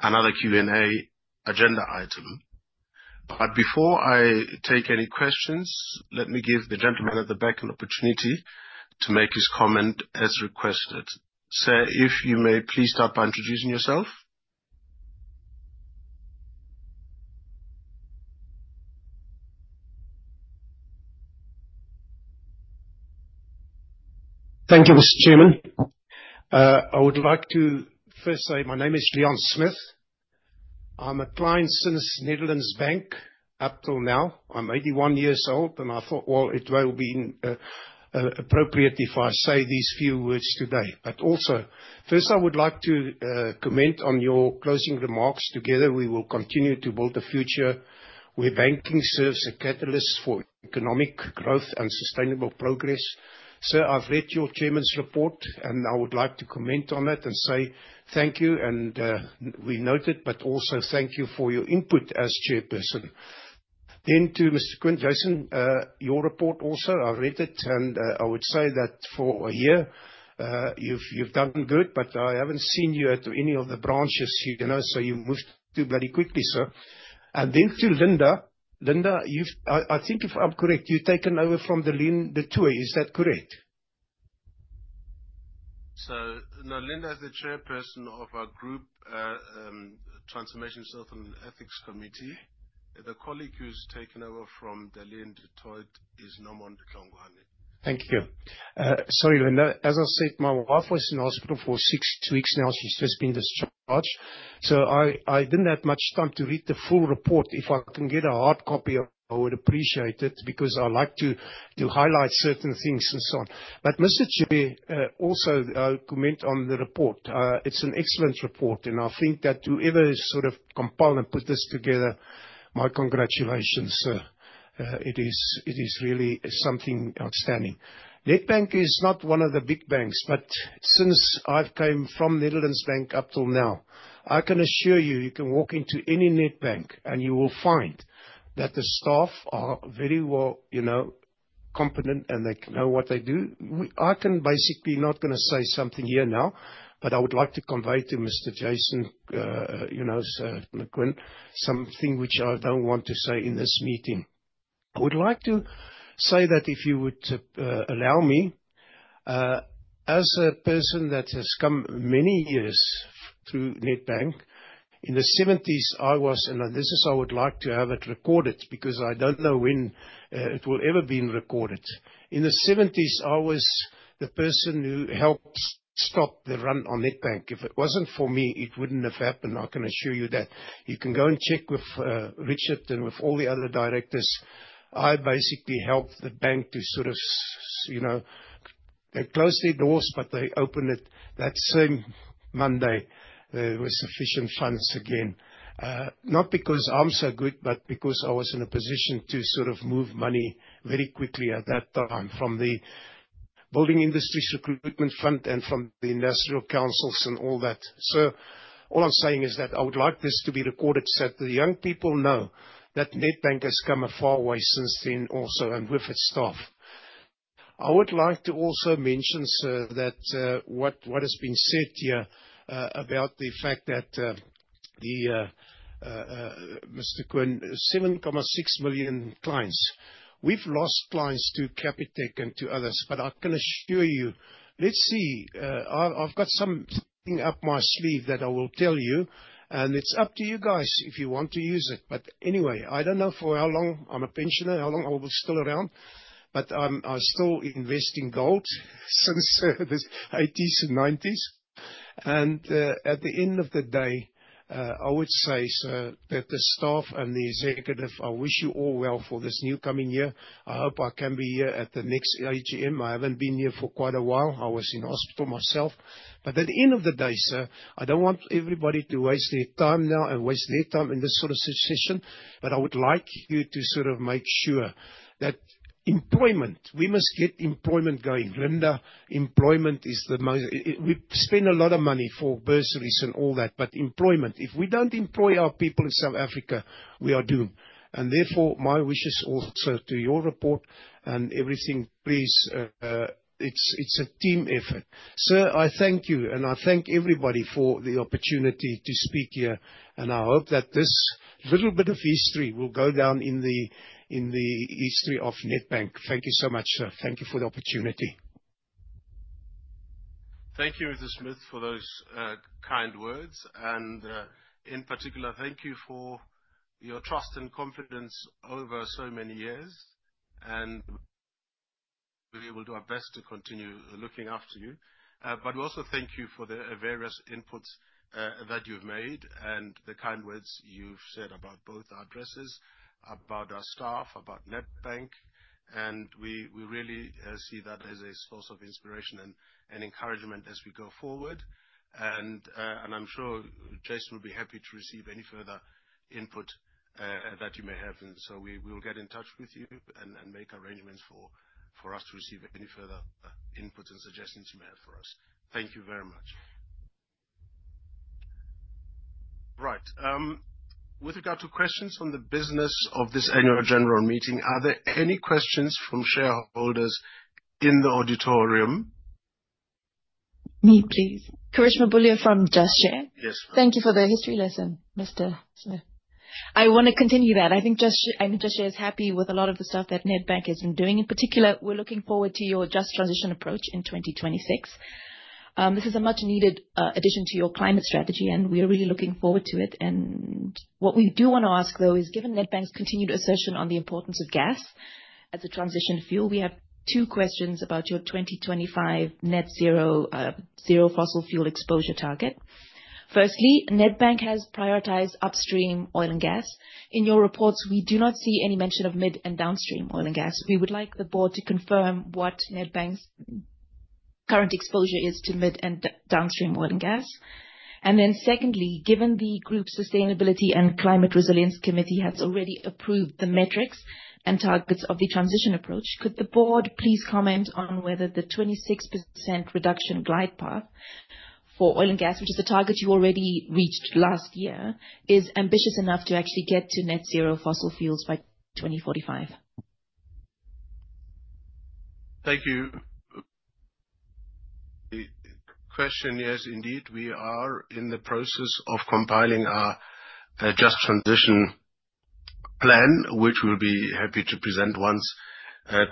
another Q&A agenda item. Before I take any questions, let me give the gentleman at the back an opportunity to make his comment as requested. Sir, if you may please start by introducing yourself. Thank you, Mr. Chairman. I would like to first say my name is Leon Smith. I am a client since Nedbank up till now. I am 81 years old, and I thought, well, it will be appropriate if I say these few words today. Also, first I would like to comment on your closing remarks. Together we will continue to build a future where banking serves as a catalyst for economic growth and sustainable progress. Sir, I have read your chairman's report, and I would like to comment on it and say thank you. We note it, but also thank you for your input as chairperson. To Mr. Quinn, Jason, your report also, I read it, and I would say that for a year you have done good, but I have not seen you at any of the branches. You moved too bloody quickly, sir. Then to Linda. Linda, I think if I am correct, you have taken over from Daleen du Toit. Is that correct? Sir, Linda is the chairperson of our Group Transformation, Social and Ethics Committee. The colleague who's taken over from Daleen du Toit is Nomonde Hlongwa. Thank you. Sorry, Linda. As I said, my wife was in hospital for 6 weeks now. She's just been discharged, so I didn't have much time to read the full report. If I can get a hard copy, I would appreciate it, because I like to highlight certain things and so on. Mr. Jabe, also I'll comment on the report. It's an excellent report, and I think that whoever sort of compiled and put this together, my congratulations, sir. It is really something outstanding. Nedbank is not one of the big banks. Since I've came from Nedbank up till now, I can assure you can walk into any Nedbank and you will find that the staff are very well competent, and they know what they do. I can basically, not going to say something here now, but I would like to convey to Mr. Jason Quinn, something which I don't want to say in this meeting. I would like to say that if you would allow me. As a person that has come many years through Nedbank. In the 1970s, I was I would like to have it recorded because I don't know when it will ever been recorded. In the 1970s, I was the person who helped stop the run on Nedbank. If it wasn't for me, it wouldn't have happened. I can assure you that. You can go and check with Richard and with all the other directors. I basically helped the bank to sort of, they closed their doors, but they opened it that same Monday. There was sufficient funds again. Not because I'm so good, but because I was in a position to sort of move money very quickly at that time from the Building Industries Recruitment Fund and from the industrial councils and all that. All I'm saying is that I would like this to be recorded so that the young people know that Nedbank has come a far way since then also, and with its staff. I would like to also mention, sir, that what has been said here, about the fact that, Mr. Quinn, 7.6 million clients. We've lost clients to Capitec and to others. I can assure you, let's see. I've got something up my sleeve that I will tell you, and it's up to you guys if you want to use it. Anyway, I don't know for how long. I'm a pensioner. How long I will still around. I still invest in gold since the '80s and '90s. At the end of the day, I would say, sir, that the staff and the executive, I wish you all well for this new coming year. I hope I can be here at the next AGM. I haven't been here for quite a while. I was in hospital myself. At the end of the day, sir, I don't want everybody to waste their time now and waste their time in this sort of session. I would like you to make sure that employment, we must get employment going. Linda, employment is the most. We spend a lot of money for bursaries and all that, but employment. If we don't employ our people in South Africa, we are doomed. Therefore, my wishes also to your report and everything, please, it's a team effort. Sir, I thank you, and I thank everybody for the opportunity to speak here. I hope that this little bit of history will go down in the history of Nedbank. Thank you so much, sir. Thank you for the opportunity. Thank you, Mr. Smith, for those kind words. In particular, thank you for your trust and confidence over so many years. We will do our best to continue looking after you. We also thank you for the various inputs that you've made and the kind words you've said about both our addresses, about our staff, about Nedbank. We really see that as a source of inspiration and encouragement as we go forward. I'm sure Jason will be happy to receive any further input that you may have. So we will get in touch with you and make arrangements for us to receive any further input and suggestions you may have for us. Thank you very much. Right. With regard to questions from the business of this annual general meeting, are there any questions from shareholders in the auditorium? Me, please. Karishma Bullie from Just Share. Yes. Thank you for the history lesson, Mr. Smith. I want to continue that. I think Just Share is happy with a lot of the stuff that Nedbank has been doing. In particular, we're looking forward to your just transition approach in 2026. This is a much needed addition to your climate strategy, and we are really looking forward to it. What we do want to ask, though, is given Nedbank's continued assertion on the importance of gas as a transition fuel, we have two questions about your 2025 net zero fossil fuel exposure target. Nedbank has prioritized upstream oil and gas. In your reports, we do not see any mention of mid and downstream oil and gas. We would like the board to confirm what Nedbank's current exposure is to mid and downstream oil and gas. Secondly, given the Group Sustainability and Climate Resilience Committee has already approved the metrics and targets of the transition approach, could the board please comment on whether the 26% reduction glide path for oil and gas, which is the target you already reached last year, is ambitious enough to actually get to net zero fossil fuels by 2045? Thank you. Question. Yes, indeed. We are in the process of compiling our just transition plan, which we'll be happy to present once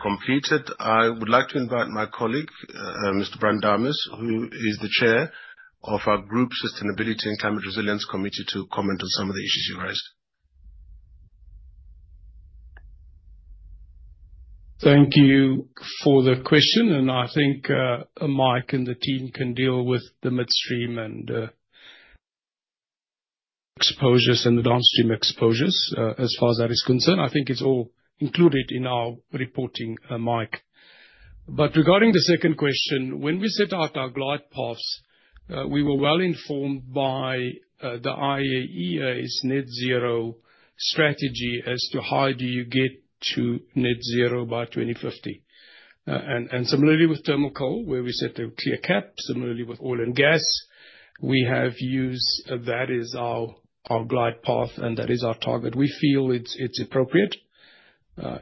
completed. I would like to invite my colleague, Mr. Brian Dames, who is the Chair of our Group Sustainability and Climate Resilience Committee, to comment on some of the issues you raised. Thank you for the question. I think Mike and the team can deal with the midstream exposures and the downstream exposures. As far as that is concerned, I think it's all included in our reporting, Mike. Regarding the second question, when we set out our glide paths, we were well informed by the IEA's net zero strategy as to how do you get to net zero by 2050. Similarly with thermal coal, where we set a clear cap, similarly with oil and gas, we have used that as our glide path, and that is our target. We feel it's appropriate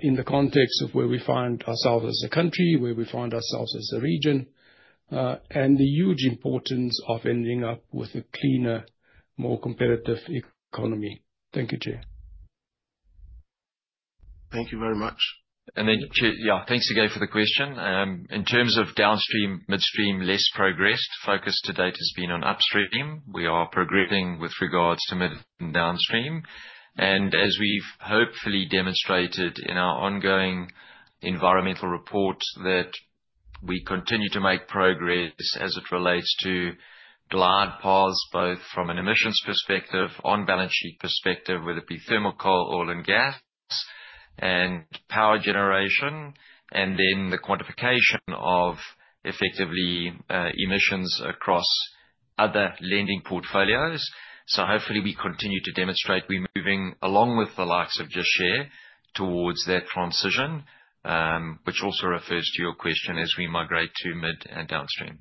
in the context of where we find ourselves as a country, where we find ourselves as a region, and the huge importance of ending up with a cleaner, more competitive economy. Thank you, chair. Thank you very much. Yeah, thanks again for the question. In terms of downstream, midstream, less progress. Focus to date has been on upstream. We are progressing with regards to mid and downstream. As we've hopefully demonstrated in our ongoing environmental report that we continue to make progress as it relates to glide paths, both from an emissions perspective, on balance sheet perspective, whether it be thermal coal, oil and gas, and power generation, and then the quantification of effectively emissions across other lending portfolios. Hopefully we continue to demonstrate we're moving along with the likes of Just Share towards that transition, which also refers to your question as we migrate to mid and downstream.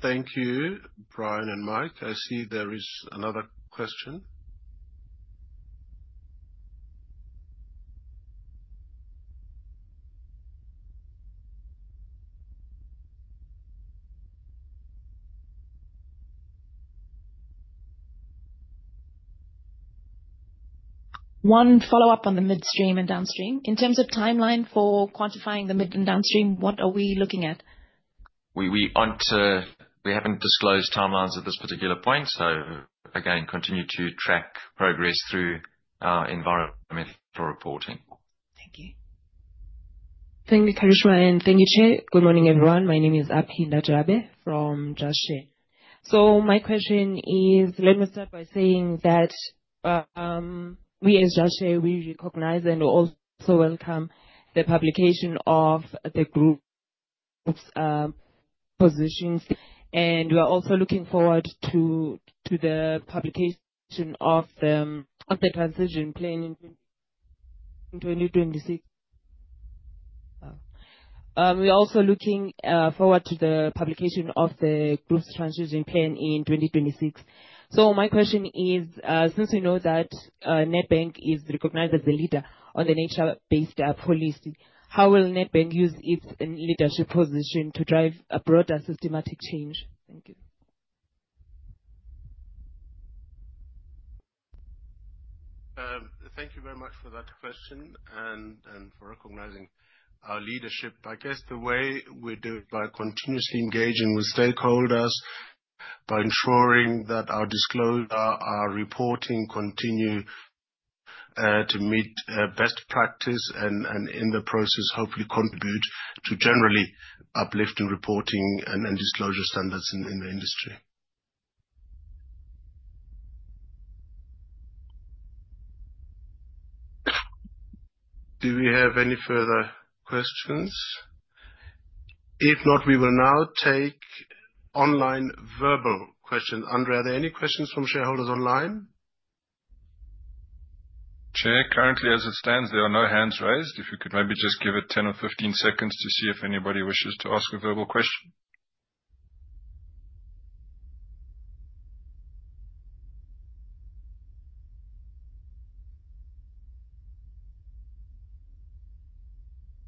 Thank you, Brian and Mike. I see there is another question. One follow-up on the midstream and downstream. In terms of timeline for quantifying the mid and downstream, what are we looking at? We have not disclosed timelines at this particular point. Again, continue to track progress through our environmental reporting. Thank you. Thank you, Karishma, and thank you, Chair. Good morning, everyone. My name is Apheenda Rabe from Just Share. My question is, let me start by saying that, we as Just Share, we recognize and also welcome the publication of the group's positions, and we are also looking forward to the publication of the transition plan in 2026. We are also looking forward to the publication of the group's transition plan in 2026. My question is, since we know that Nedbank is recognized as a leader on the nature-based policy, how will Nedbank use its leadership position to drive a broader systematic change? Thank you. Thank you very much for that question and for recognizing our leadership. I guess the way we do it, by continuously engaging with stakeholders, by ensuring that our disclosure, our reporting, continue to meet best practice and in the process, hopefully contribute to generally uplifting reporting and disclosure standards in the industry. Do we have any further questions? If not, we will now take online verbal questions. Andre, are there any questions from shareholders online? Chair, currently as it stands, there are no hands raised. If you could maybe just give it 10 or 15 seconds to see if anybody wishes to ask a verbal question.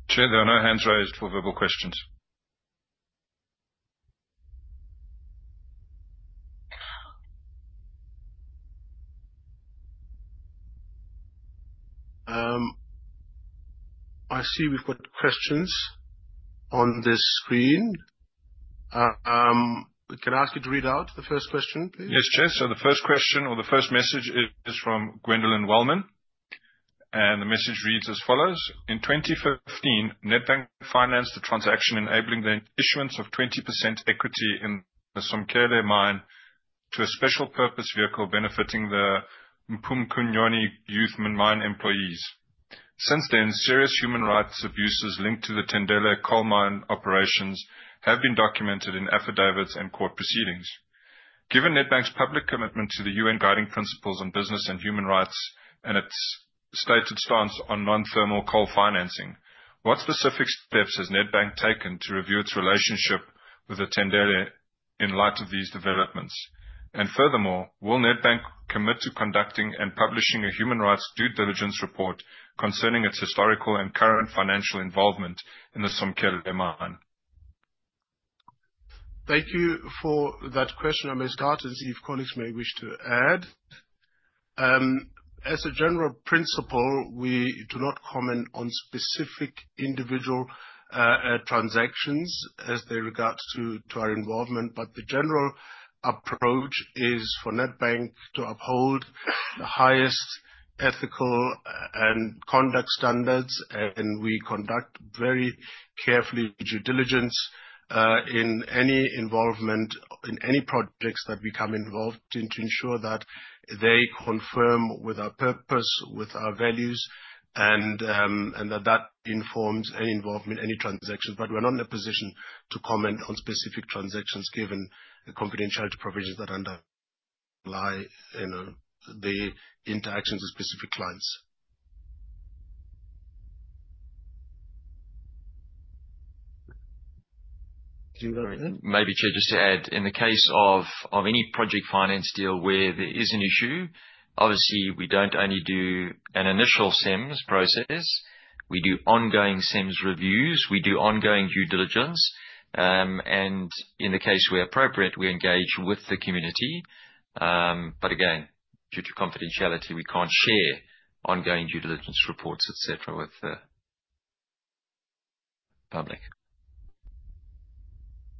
Chair, there are no hands raised for verbal questions. I see we've got questions on the screen. Can I ask you to read out the first question, please? Yes, Chair. The first question or the first message is from Gwendolyn Wellman. The message reads as follows: In 2015, Nedbank financed a transaction enabling the issuance of 20% equity in the Somkhele Mine to a special purpose vehicle benefiting the Mpukunyoni youth mine employees. Since then, serious human rights abuses linked to the Tendele Coal Mining operations have been documented in affidavits and court proceedings. Given Nedbank's public commitment to the UN Guiding Principles on Business and Human Rights and its stated stance on non-thermal coal financing, what specific steps has Nedbank taken to review its relationship with the Tendele in light of these developments? Furthermore, will Nedbank commit to conducting and publishing a human rights due diligence report concerning its historical and current financial involvement in the Somkhele Mine? Thank you for that question. I may start and see if colleagues may wish to add. As a general principle, we do not comment on specific individual transactions as they regard to our involvement. The general approach is for Nedbank to uphold the highest ethical and conduct standards, and we conduct very carefully due diligence, in any involvement, in any projects that we become involved in to ensure that they confirm with our purpose, with our values, and that informs any involvement, any transactions. We're not in a position to comment on specific transactions given the confidentiality provisions that underlie the interactions with specific clients. Jude or Renhen? Maybe, Chair, just to add. In the case of any project finance deal where there is an issue, obviously, we don't only do an initial SEMS process. We do ongoing SEMS reviews. We do ongoing due diligence. In the case where appropriate, we engage with the community. Again, due to confidentiality, we can't share ongoing due diligence reports, et cetera, with the public.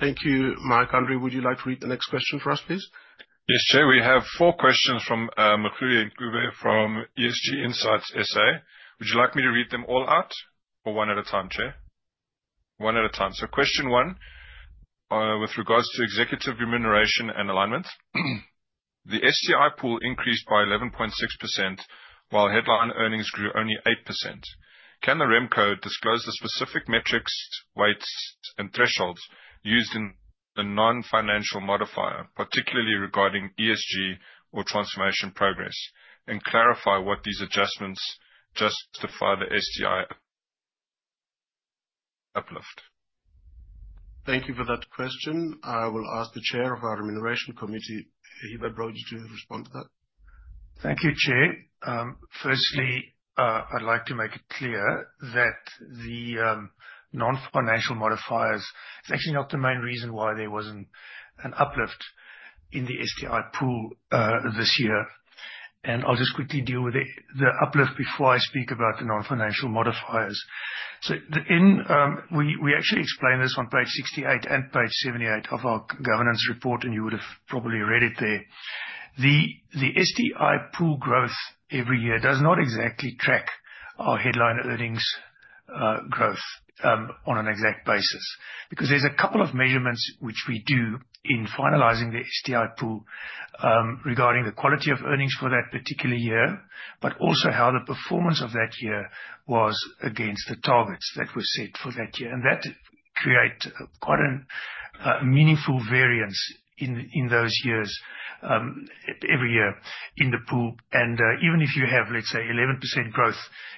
Thank you, Mike. Andre, would you like to read the next question for us, please? Yes, Chair. We have 4 questions from Makhuli Ngubane from ESG Insight SA. Would you like me to read them all out or one at a time, Chair? One at a time. Question one, with regards to executive remuneration and alignment. The STI pool increased by 11.6% while headline earnings grew only 8%. Can the REM Code disclose the specific metrics, weights, and thresholds used in the non-financial modifier, particularly regarding ESG or transformation progress, and clarify what these adjustments justify the STI uplift? Thank you for that question. I will ask the Chair of our Group Remuneration Committee, Hubert Brody, to respond to that. Thank you, Chair. Firstly, I'd like to make it clear that the non-financial modifiers is actually not the main reason why there wasn't an uplift in the STI pool this year. I'll just quickly deal with the uplift before I speak about the non-financial modifiers. We actually explain this on page 68 and page 78 of our governance report, you would have probably read it there. That create quite a meaningful variance in those years, every year in the pool. Even if you have, let's say, 11% growth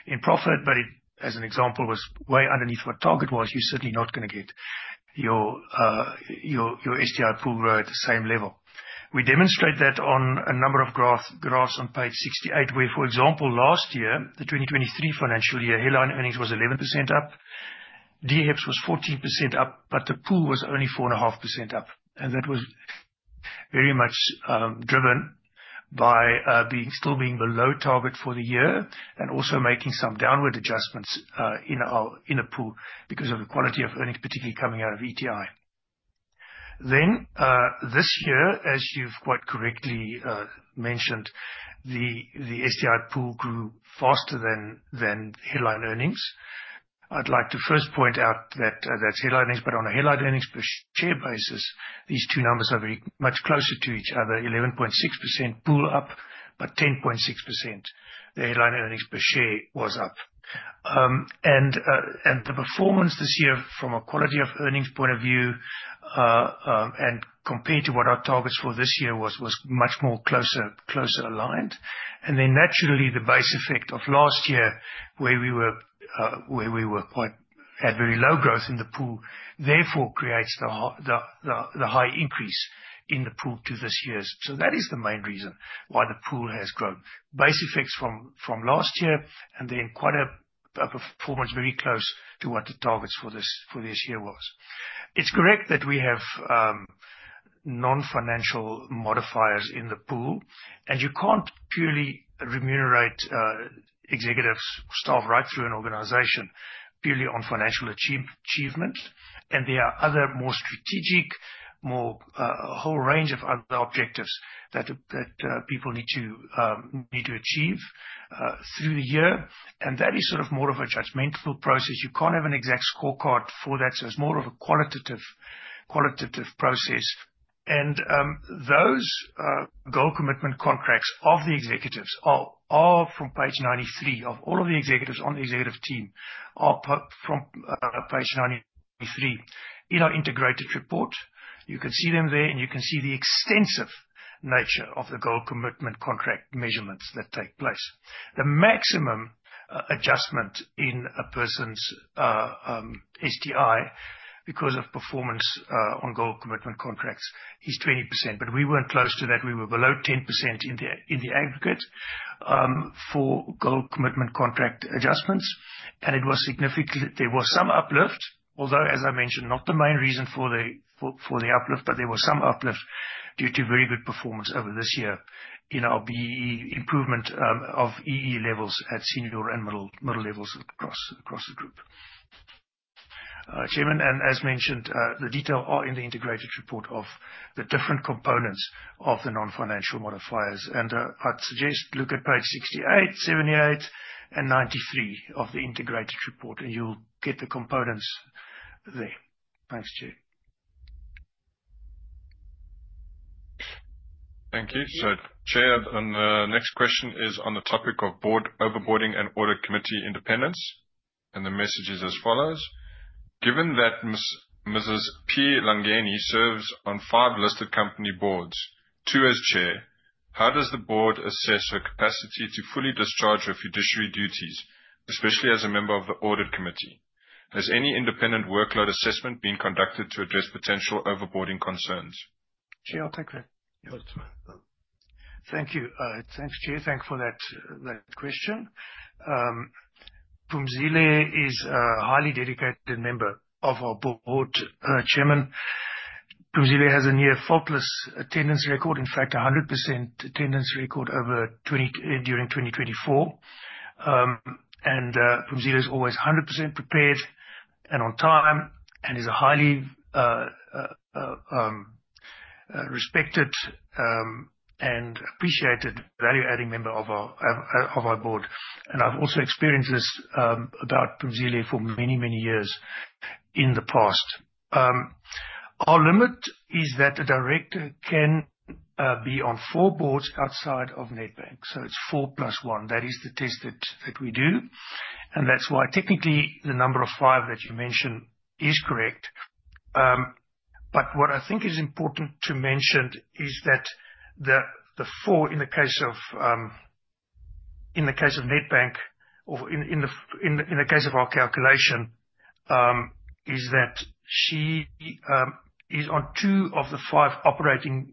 in profit, but as an example, was way underneath what target was, you're certainly not going to get your STI pool growth at the same level. We demonstrate that on a number of graphs on page 68, where, for example, last year, the 2023 financial year, headline earnings was 11% up, DHEPS was 14% up, but the pool was only 4.5% up. That was very much driven by still being below target for the year and also making some downward adjustments in the pool because of the quality of earnings, particularly coming out of ETI. This year, as you've quite correctly mentioned, the STI pool grew faster than headline earnings. I'd like to first point out that that's headline earnings, but on a headline earnings per share basis, these two numbers are very much closer to each other, 11.6% pool up but 10.6% the headline earnings per share was up. The performance this year from a quality of earnings point of view and compared to what our targets for this year was much more closer aligned. Naturally, the base effect of last year where we had very low growth in the pool, therefore creates the high increase in the pool to this year. That is the main reason why the pool has grown. Base effects from last year and then quite a performance very close to what the targets for this year was. It's correct that we have non-financial modifiers in the pool, and you can't purely remunerate executives, staff right through an organization purely on financial achievement. There are other, more strategic, whole range of other objectives that people need to achieve through the year. That is sort of more of a judgmental process. You can't have an exact scorecard for that. It's more of a qualitative process. Those goal commitment contracts of the executives are from page 93 of all of the executives on the executive team are from page 93 in our integrated report. You can see them there, and you can see the extensive nature of the goal commitment contract measurements that take place. The maximum adjustment in a person's STI because of performance on goal commitment contracts is 20%. We weren't close to that. We were below 10% in the aggregate for goal commitment contract adjustments. There was some uplift, although, as I mentioned, not the main reason for the uplift, but there was some uplift due to very good performance over this year in our BEE improvement of EE levels at senior and middle levels across the group. Chairman, as mentioned, the detail are in the integrated report of the different components of the non-financial modifiers. I'd suggest look at page 68, 78, and 93 of the integrated report. You'll get the components there. Thanks, Chair. Thank you. Chair, the next question is on the topic of board over-boarding and Audit Committee independence. The message is as follows: given that Mrs. P. Langeni serves on five listed company boards, two as chair, how does the board assess her capacity to fully discharge her fiduciary duties, especially as a member of the Audit Committee? Has any independent workload assessment been conducted to address potential over-boarding concerns? Chair, I'll take that. Yes. Thank you. Thanks, Chair. Thanks for that question. Phumzile is a highly dedicated member of our board, Chairman. Phumzile has a near faultless attendance record. In fact, 100% attendance record during 2024. Phumzile is always 100% prepared and on time and is a highly respected and appreciated value-adding member of our board. I've also experienced this about Phumzile for many, many years in the past. Our limit is that a director can be on four boards outside of Nedbank. It's four plus one. That is the test that we do. That's why technically the number of five that you mentioned is correct. What I think is important to mention is that the 4 in the case of Nedbank or in the case of our calculation, is that she is on 2 of the 5 operating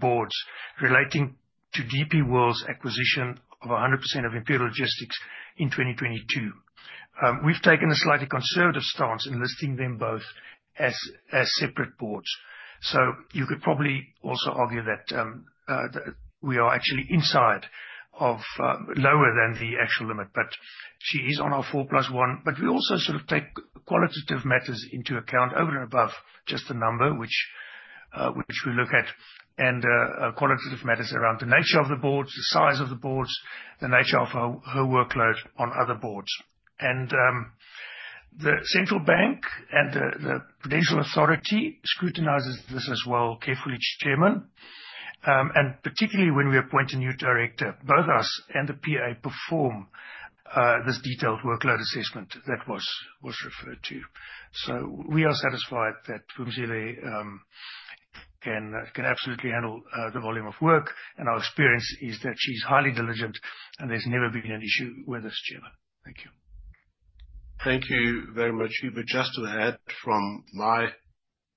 boards relating to DP World's acquisition of 100% of Imperial Logistics in 2022. We've taken a slightly conservative stance in listing them both as separate boards. You could probably also argue that we are actually inside of lower than the actual limit, but she is on our 4 plus 1. We also sort of take qualitative matters into account over and above just the number, which we look at, and qualitative matters around the nature of the boards, the size of the boards, the nature of her workload on other boards. The central bank and the Prudential Authority scrutinizes this as well carefully, Chairman. Particularly when we appoint a new director, both us and the PA perform this detailed workload assessment that was referred to. We are satisfied that Phumzile can absolutely handle the volume of work. Our experience is that she's highly diligent, and there's never been an issue with this, Chairman. Thank you. Thank you very much, Hubert. Just to add from my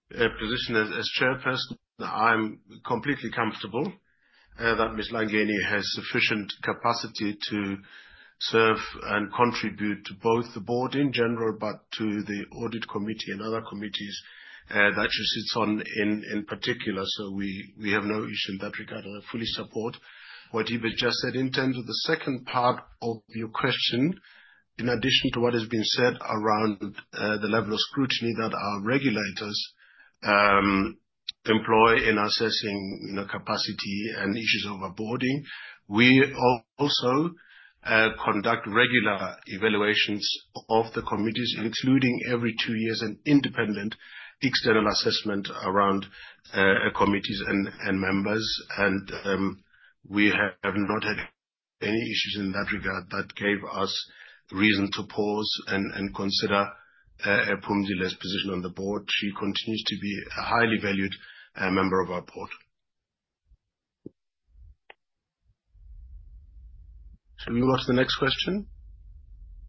position as chairperson, I'm completely comfortable that Ms. Langeni has sufficient capacity to serve and contribute to both the board in general, but to the audit committee and other committees that she sits on in particular. We have no issue in that regard. I fully support what Hubert just said. In terms of the second part of your question, in addition to what has been said around the level of scrutiny that our regulators employ in assessing capacity and issues of our board. We also conduct regular evaluations of the committees, including every 2 years, an independent external assessment around committees and members. We have not had any issues in that regard that gave us reason to pause and consider Phumzile's position on the board. She continues to be a highly valued member of our board. Shall we ask the next question?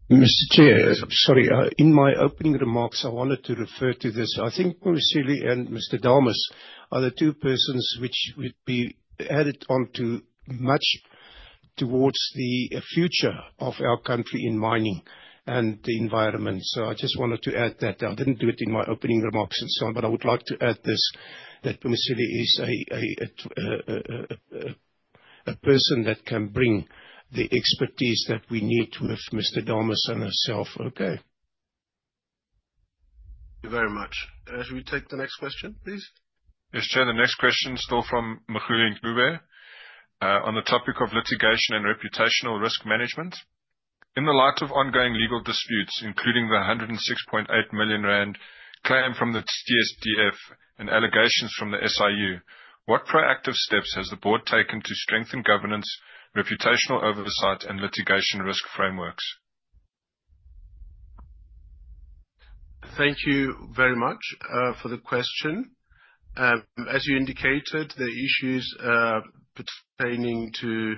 Mr. Chair. Sorry. In my opening remarks, I wanted to refer to this. I think Phumzile and Mr. Dames are the two persons which would be added on to much towards the future of our country in mining and the environment. I just wanted to add that. I didn't do it in my opening remarks and so on, but I would like to add this, that Phumzile is a person that can bring the expertise that we need with Mr. Dames and herself. Okay. Thank you very much. Shall we take the next question, please? Yes, Chair. The next question, still from Makhuli Ngubane, on the topic of litigation and reputational risk management. In the light of ongoing legal disputes, including the 106.8 million rand claim from the TSDF and allegations from the SIU, what proactive steps has the board taken to strengthen governance, reputational oversight, and litigation risk frameworks? Thank you very much for the question. As you indicated, the issues pertaining to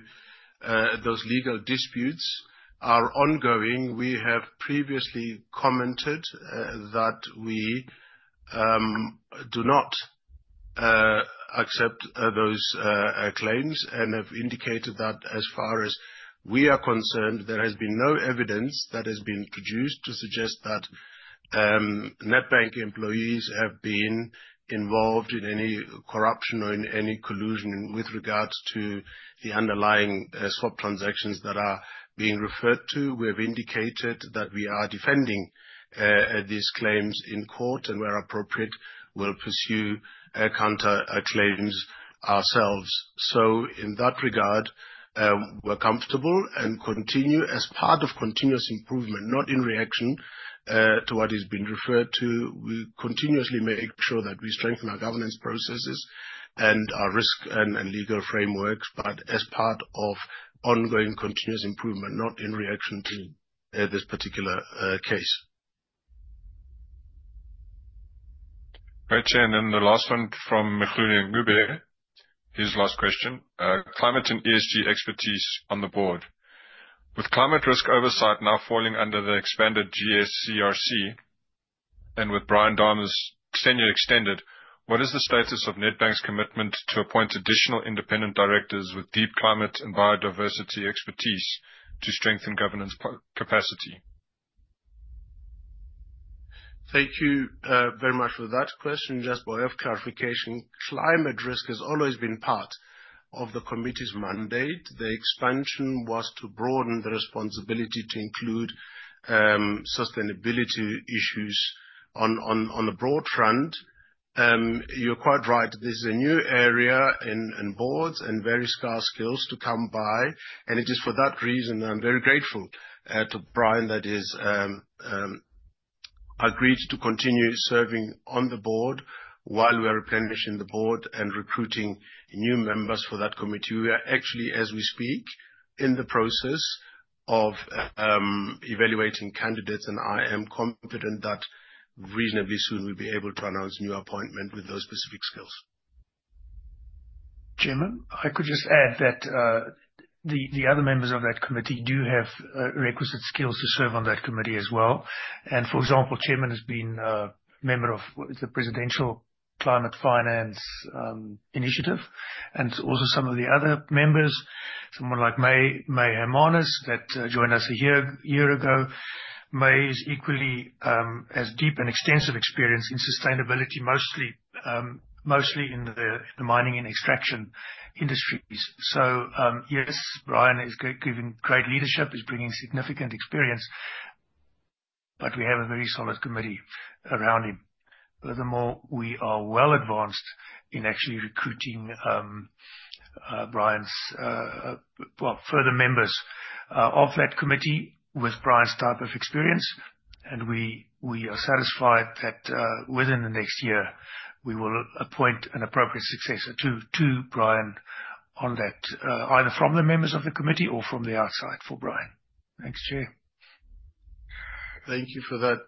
those legal disputes are ongoing. We have previously commented that we do not accept those claims and have indicated that as far as we are concerned, there has been no evidence that has been produced to suggest that Nedbank employees have been involved in any corruption or in any collusion with regards to the underlying swap transactions that are being referred to. We have indicated that we are defending these claims in court and where appropriate, will pursue counterclaims ourselves. In that regard, we're comfortable and continue as part of continuous improvement, not in reaction to what is being referred to. We continuously make sure that we strengthen our governance processes and our risk and legal frameworks, but as part of ongoing continuous improvement, not in reaction to this particular case. Okay. Then the last one from Makhuli Ngubane. His last question. Climate and ESG expertise on the board. With climate risk oversight now falling under the expanded GSCRC and with Brian Dames' tenure extended, what is the status of Nedbank's commitment to appoint additional independent directors with deep climate and biodiversity expertise to strengthen governance capacity? Thank you very much for that question. Just by way of clarification, climate risk has always been part of the committee's mandate. The expansion was to broaden the responsibility to include sustainability issues on a broad front. You're quite right. This is a new area in boards and very scarce skills to come by. It is for that reason that I'm very grateful to Brian that he's agreed to continue serving on the board while we are replenishing the board and recruiting new members for that committee. We are actually, as we speak, in the process of evaluating candidates, and I am confident that reasonably soon we'll be able to announce new appointment with those specific skills. Chairman, I could just add that the other members of that committee do have requisite skills to serve on that committee as well. For example, chairman has been a member of the Presidential Climate Finance Initiative and also some of the other members, someone like May Hermanus, that joined us a year ago. May has equally, as deep and extensive experience in sustainability, mostly in the mining and extraction industries. Yes, Brian is giving great leadership, is bringing significant experience, but we have a very solid committee around him. Furthermore, we are well advanced in actually recruiting, well, further members of that committee with Brian's type of experience. We are satisfied that, within the next year, we will appoint an appropriate successor to Brian on that, either from the members of the committee or from the outside for Brian. Thanks, Chair. Thank you for that,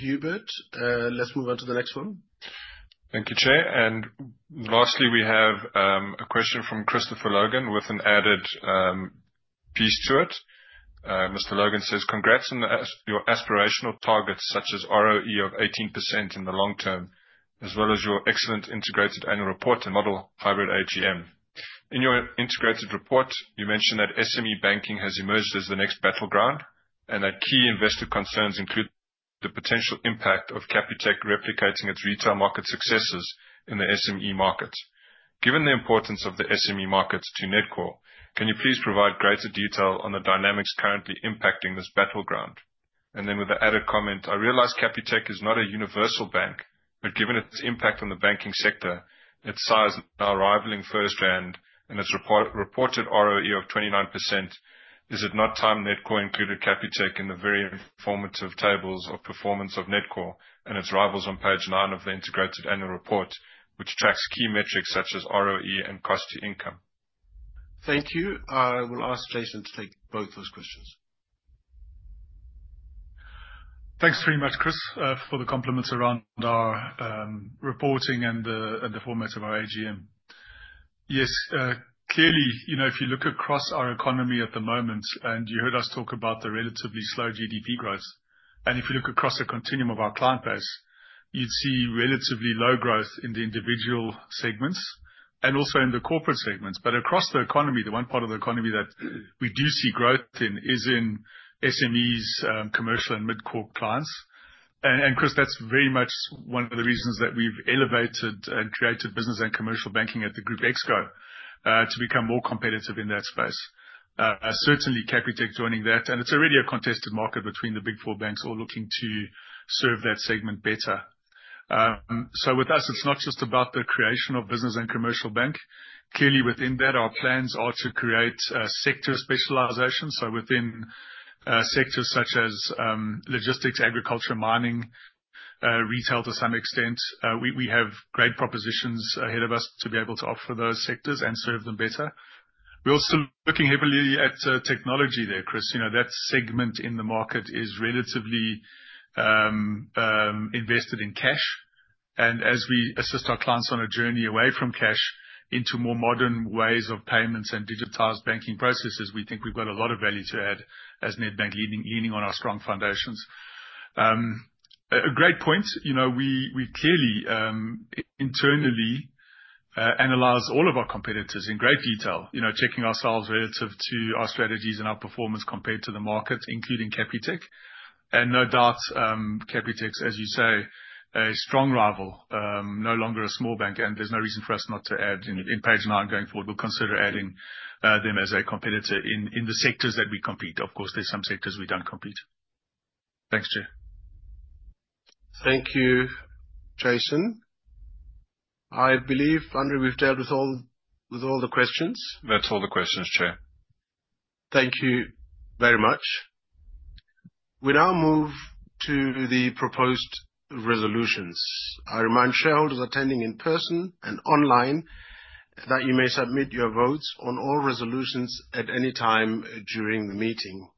Hubert. Let's move on to the next one. Thank you, Chair. Lastly, we have a question from Christopher Logan with an added piece to it. Mr. Logan says, "Congrats on your aspirational targets, such as ROE of 18% in the long term, as well as your excellent integrated annual report and model hybrid AGM. In your integrated report, you mentioned that SME banking has emerged as the next battleground and that key investor concerns include the potential impact of Capitec replicating its retail market successes in the SME market. Given the importance of the SME market to Nedcor, can you please provide greater detail on the dynamics currently impacting this battleground?" Then with the added comment, "I realize Capitec is not a universal bank, but given its impact on the banking sector, its size now rivaling FirstRand, and its reported ROE of 29%, is it not time Nedcor included Capitec in the very informative tables of performance of Nedcor and its rivals on page nine of the integrated annual report, which tracks key metrics such as ROE and cost to income? Thank you. I will ask Jason to take both those questions. Thanks very much, Chris, for the compliments around our reporting and the format of our AGM. Yes, clearly, if you look across our economy at the moment, you heard us talk about the relatively slow GDP growth. If you look across the continuum of our client base, you'd see relatively low growth in the individual segments and also in the corporate segments. Across the economy, the one part of the economy that we do see growth in is in SMEs, commercial and mid-corporate clients. Chris, that's very much one of the reasons that we've elevated and created business and commercial banking at the Group Exco, to become more competitive in that space. Certainly Capitec joining that, and it's already a contested market between the big four banks all looking to serve that segment better. With us, it's not just about the creation of business and commercial bank. Clearly within that, our plans are to create sector specialization. Within sectors such as logistics, agriculture, mining, retail to some extent, we have great propositions ahead of us to be able to offer those sectors and serve them better. We're also looking heavily at technology there, Chris. That segment in the market is relatively invested in cash. As we assist our clients on a journey away from cash into more modern ways of payments and digitized banking processes, we think we've got a lot of value to add as Nedbank leaning on our strong foundations. A great point. We clearly, internally, analyze all of our competitors in great detail. Checking ourselves relative to our strategies and our performance compared to the market, including Capitec. No doubt, Capitec is, as you say, a strong rival. No longer a small bank, and there's no reason for us not to add in page nine going forward. We'll consider adding them as a competitor in the sectors that we compete. Of course, there's some sectors we don't compete. Thanks, Chair. Thank you, Jason. I believe, Andre, we've dealt with all the questions. That's all the questions, Chair. Thank you very much. We now move to the proposed resolutions. I remind shareholders attending in person and online that you may submit your votes on all resolutions at any time during the meeting.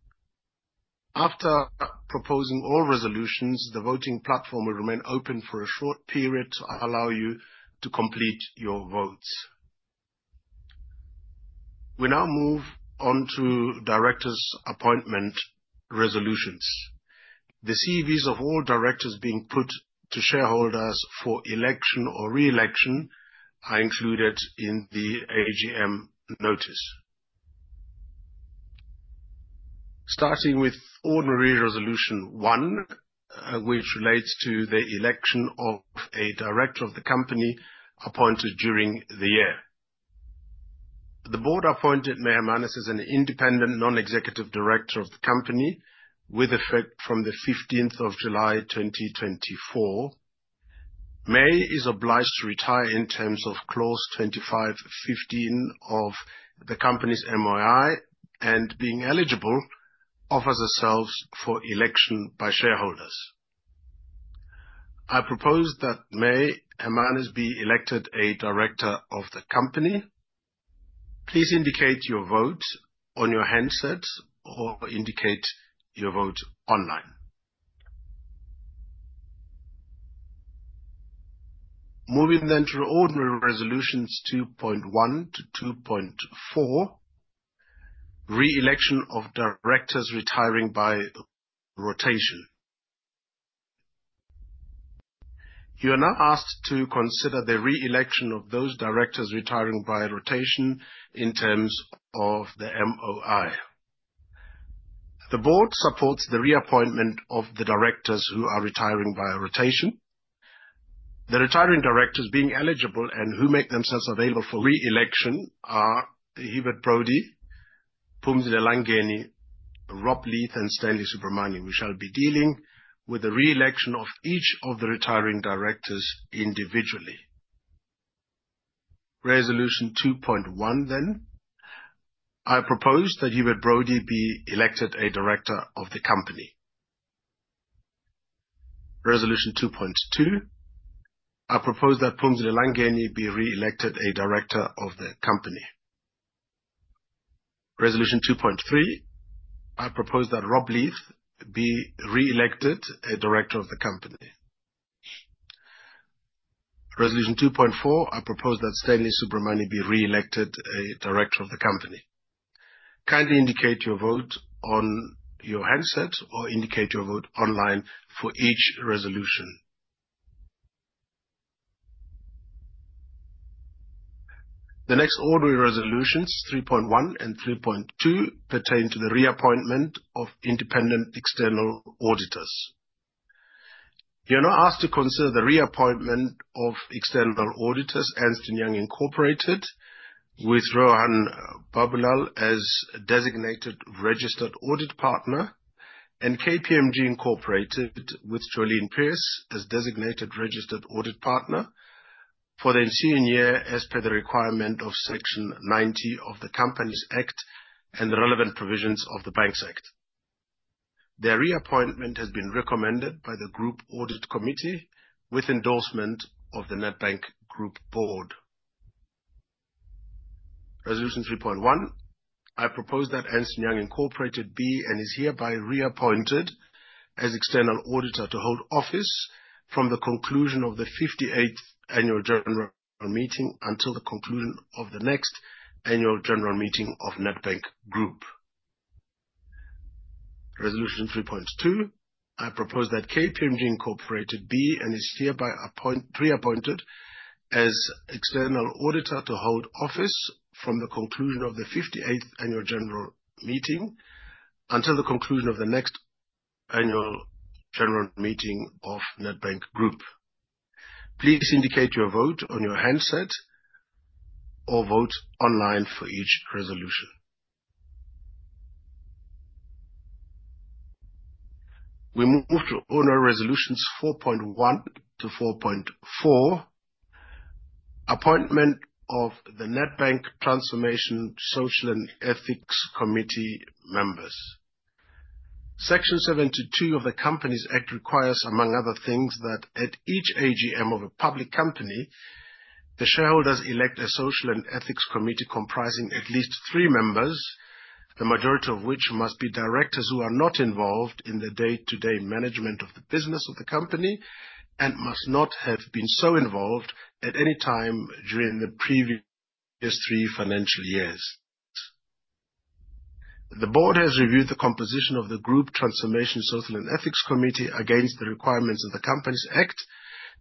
After proposing all resolutions, the voting platform will remain open for a short period to allow you to complete your votes. We now move on to directors' appointment resolutions. The CVs of all directors being put to shareholders for election or re-election are included in the AGM notice. Starting with ordinary resolution 1, which relates to the election of a director of the company appointed during the year. The board appointed May Hermanus as an independent non-executive director of the company with effect from the 15th of July 2024. May is obliged to retire in terms of clause 2515 of the company's MOI and being eligible, offers herself for election by shareholders. I propose that May Hermanus be elected a director of the company. Please indicate your vote on your handsets or indicate your vote online. Moving to ordinary resolutions 2.1 to 2.4, re-election of directors retiring by rotation. You are now asked to consider the re-election of those directors retiring by rotation in terms of the MOI. The board supports the reappointment of the directors who are retiring via rotation. The retiring directors being eligible and who make themselves available for re-election are Hubert Brody, Phumzile Langeni, Rob Leith, and Stanley Subramoney. We shall be dealing with the re-election of each of the retiring directors individually. Resolution 2.1. I propose that Hubert Brody be elected a director of the company. Resolution 2.2, I propose that Phumzile Langeni be re-elected a director of the company. Resolution 2.3, I propose that Rob Leith be re-elected a director of the company. Resolution 2.4, I propose that Stanley Subramoney be re-elected a director of the company. Kindly indicate your vote on your handsets or indicate your vote online for each resolution. The next ordinary resolutions, 3.1 and 3.2, pertain to the reappointment of independent external auditors. You are now asked to consider the reappointment of external auditors, Ernst & Young Incorporated, with Rohan Baboolal as designated registered audit partner and KPMG Incorporated with Joelene Pierce as designated registered audit partner for the ensuing year, as per the requirement of Section 90 of the Companies Act and the relevant provisions of the Banks Act. Their reappointment has been recommended by the Nedbank Group Audit Committee with endorsement of the Nedbank Group board. Resolution 3.1, I propose that Ernst & Young Incorporated be and is hereby reappointed as external auditor to hold office from the conclusion of the 58th annual general meeting until the conclusion of the next annual general meeting of Nedbank Group. Resolution 3.2, I propose that KPMG Incorporated be and is hereby reappointed as external auditor to hold office from the conclusion of the 58th annual general meeting until the conclusion of the next annual general meeting of Nedbank Group. Please indicate your vote on your handset or vote online for each resolution. We move to ordinary resolutions 4.1 to 4.4, appointment of the Nedbank Group Transformation, Social and Ethics Committee members. Section 72 of the Companies Act requires, among other things, that at each AGM of a public company, the shareholders elect a social and ethics committee comprising at least three members, the majority of which must be directors who are not involved in the day-to-day management of the business of the company and must not have been so involved at any time during the previous three financial years. The board has reviewed the composition of the Group Transformation, Social and Ethics Committee against the requirements of the Companies Act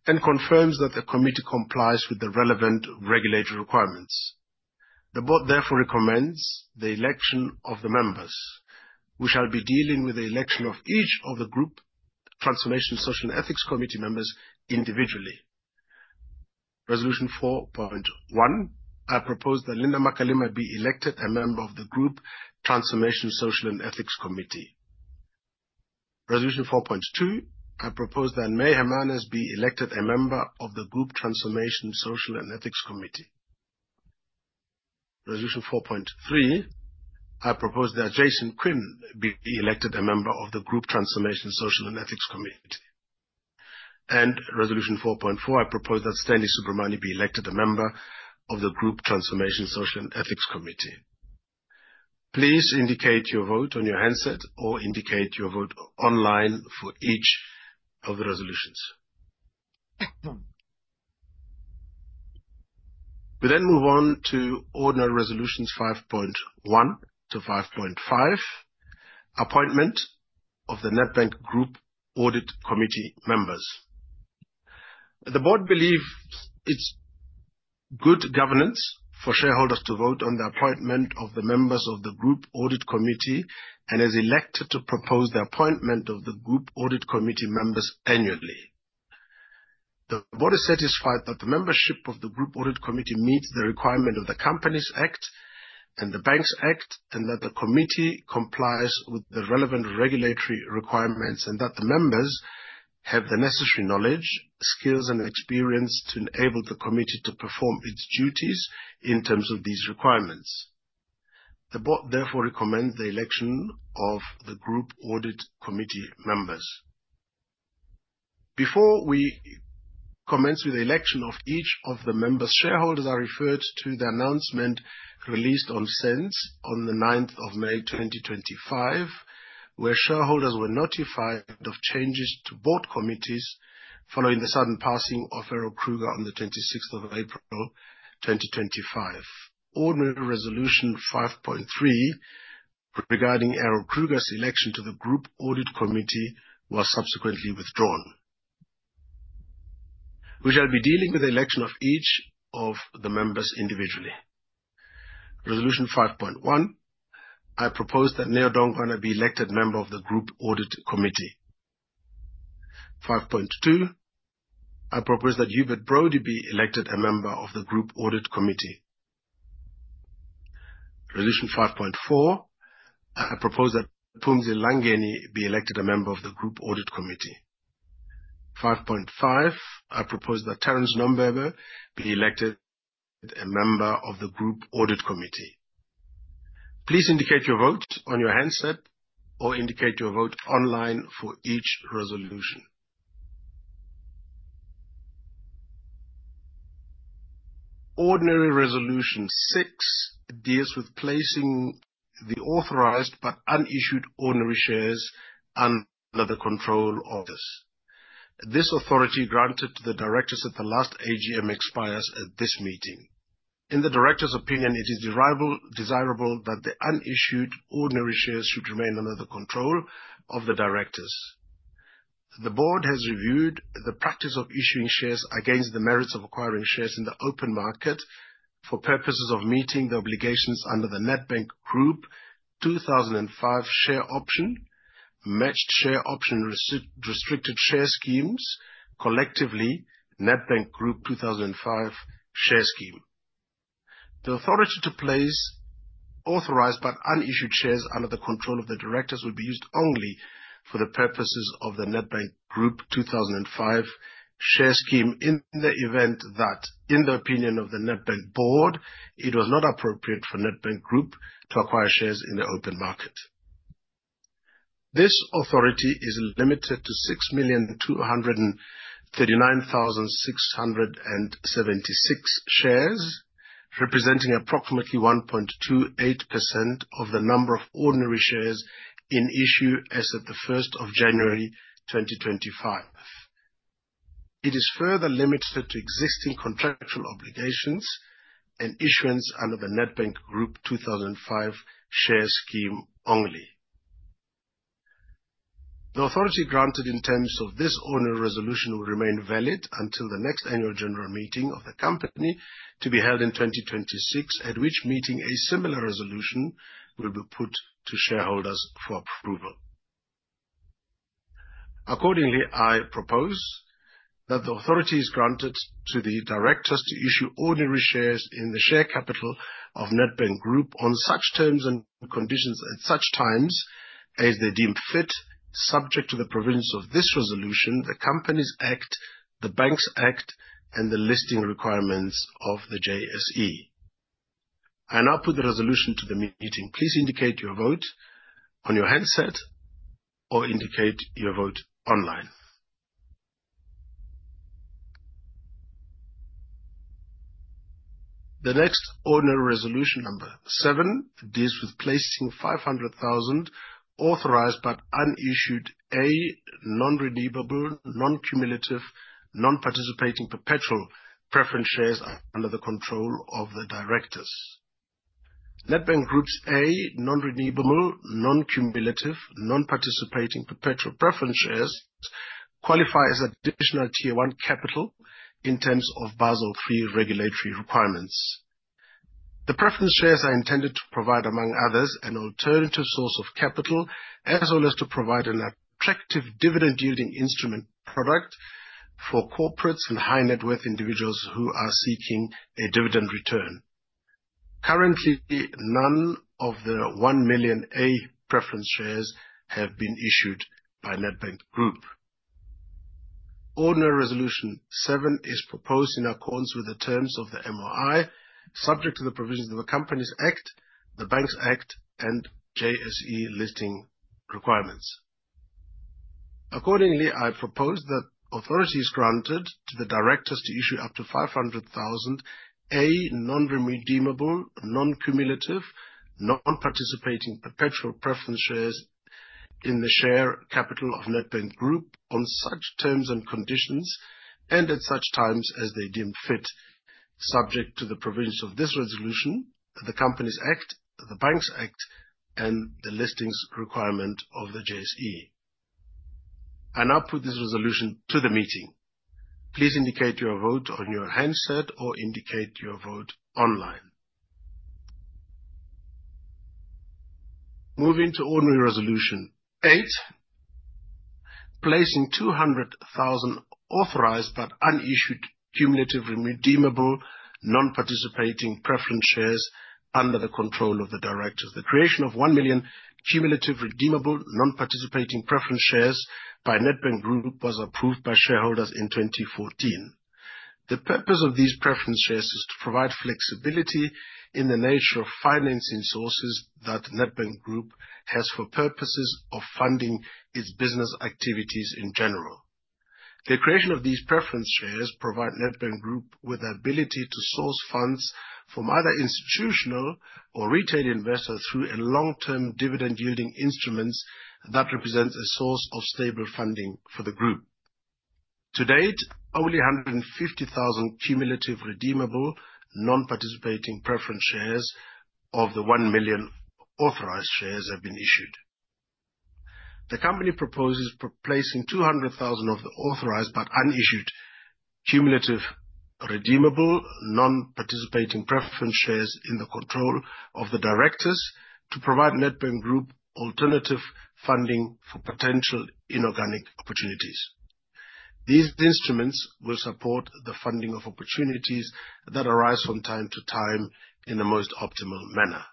and confirms that the committee complies with the relevant regulatory requirements. The board recommends the election of the members. We shall be dealing with the election of each of the Group Transformation, Social and Ethics Committee members individually. Resolution 4.1, I propose that Linda Makalima be elected a member of the Group Transformation, Social and Ethics Committee. Resolution 4.2, I propose that May Hermanus be elected a member of the Group Transformation, Social and Ethics Committee. Resolution 4.3, I propose that Jason Quinn be elected a member of the Group Transformation, Social and Ethics Committee. Resolution 4.4, I propose that Stanley Subramoney be elected a member of the Group Transformation, Social and Ethics Committee. Please indicate your vote on your handset or indicate your vote online for each of the resolutions. We move on to ordinary resolutions 5.1 to 5.5, appointment of the Nedbank Group Audit Committee members. The board believes it is good governance for shareholders to vote on the appointment of the members of the Group Audit Committee and has elected to propose the appointment of the Group Audit Committee members annually. The board is satisfied that the membership of the Group Audit Committee meets the requirement of the Companies Act and the Banks Act, and that the committee complies with the relevant regulatory requirements, and that the members have the necessary knowledge, skills, and experience to enable the committee to perform its duties in terms of these requirements. The board recommends the election of the Group Audit Committee members. Before we commence with the election of each of the members, shareholders are referred to the announcement released on SENS on the 9th of May 2025, where shareholders were notified of changes to board committees following the sudden passing of Errol Kruger on the 26th of April 2025. Ordinary resolution 5.3 Regarding Errol Kruger's election to the Group Audit Committee was subsequently withdrawn. We shall be dealing with the election of each of the members individually. Resolution 5.1, I propose that Neo Dongwana be elected member of the Group Audit Committee. 5.2, I propose that Hubert Brody be elected a member of the Group Audit Committee. Resolution 5.4, I propose that Phumzile Langeni be elected a member of the Group Audit Committee. 5.5, I propose that Terence Nombembe be elected a member of the Group Audit Committee. Please indicate your vote on your handset, or indicate your vote online for each resolution. Ordinary Resolution 6 deals with placing the authorized but unissued ordinary shares under the control of this. This authority granted to the directors at the last AGM expires at this meeting. In the directors' opinion, it is desirable that the unissued ordinary shares should remain under the control of the directors. The board has reviewed the practice of issuing shares against the merits of acquiring shares in the open market for purposes of meeting the obligations under the Nedbank Group (2005) Share Option, Matched Share Option, Restricted Share Schemes, collectively Nedbank Group (2005) Share Scheme. The authority to place authorized but unissued shares under the control of the directors will be used only for the purposes of the Nedbank Group (2005) Share Scheme in the event that, in the opinion of the Nedbank board, it was not appropriate for Nedbank Group to acquire shares in the open market. This authority is limited to 6,239,676 shares, representing approximately 1.28% of the number of ordinary shares in issue as at the 1st of January 2025. It is further limited to existing contractual obligations and issuance under the Nedbank Group (2005) Share Scheme only. The authority granted in terms of this ordinary resolution will remain valid until the next annual general meeting of the company to be held in 2026, at which meeting a similar resolution will be put to shareholders for approval. Accordingly, I propose that the authority is granted to the directors to issue ordinary shares in the share capital of Nedbank Group on such terms and conditions, at such times as they deem fit, subject to the provisions of this resolution, the Companies Act, the Banks Act, and the listing requirements of the JSE. I now put the resolution to the meeting. Please indicate your vote on your handset or indicate your vote online. The next ordinary resolution number 7 deals with placing 500,000 authorized but unissued A non-redeemable, non-cumulative, non-participating perpetual preference shares under the control of the directors. Nedbank Group's A non-redeemable, non-cumulative, non-participating perpetual preference shares qualify as additional tier 1 capital in terms of Basel III regulatory requirements. The preference shares are intended to provide, among others, an alternative source of capital as well as to provide an attractive dividend-yielding instrument product for corporates and high-net-worth individuals who are seeking a dividend return. Currently, none of the 1 million A preference shares have been issued by Nedbank Group. Ordinary Resolution 7 is proposed in accordance with the terms of the MOI, subject to the provisions of the Companies Act, the Banks Act, and JSE listing requirements. Accordingly, I propose that authority is granted to the directors to issue up to 500,000 A non-redeemable, non-cumulative, non-participating perpetual preference shares in the share capital of Nedbank Group on such terms and conditions and at such times as they deem fit, subject to the provisions of this resolution, the Companies Act, the Banks Act, and the listing requirements of the JSE. I now put this resolution to the meeting. Please indicate your vote on your handset or indicate your vote online. Moving to Ordinary Resolution 8, placing 200,000 authorized but unissued cumulative redeemable non-participating preference shares under the control of the directors. The creation of 1 million cumulative redeemable non-participating preference shares by Nedbank Group was approved by shareholders in 2014. The purpose of these preference shares is to provide flexibility in the nature of financing sources that Nedbank Group has for purposes of funding its business activities in general. The creation of these preference shares provide Nedbank Group with the ability to source funds from either institutional or retail investors through a long-term dividend-yielding instrument that represents a source of stable funding for the group. To date, only 150,000 cumulative redeemable non-participating preference shares of the 1 million authorized shares have been issued. The company proposes placing 200,000 of the authorized but unissued cumulative redeemable non-participating preference shares in the control of the directors to provide Nedbank Group alternative funding for potential inorganic opportunities. These instruments will support the funding of opportunities that arise from time to time in the most optimal manner.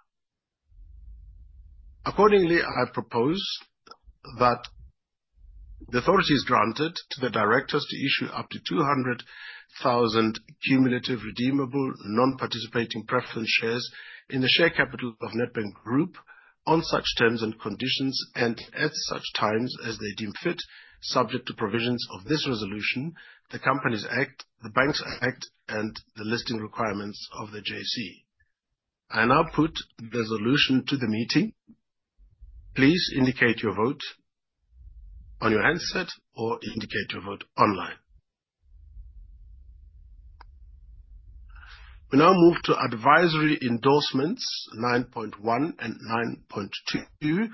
I propose that the authority is granted to the directors to issue up to 200,000 cumulative redeemable non-participating preference shares in the share capital of Nedbank Group on such terms and conditions and at such times as they deem fit, subject to provisions of this resolution, the Companies Act, the Banks Act, and the listing requirements of the JSE. I now put the resolution to the meeting. Please indicate your vote on your handset or indicate your vote online. We now move to advisory endorsements 9.1 and 9.2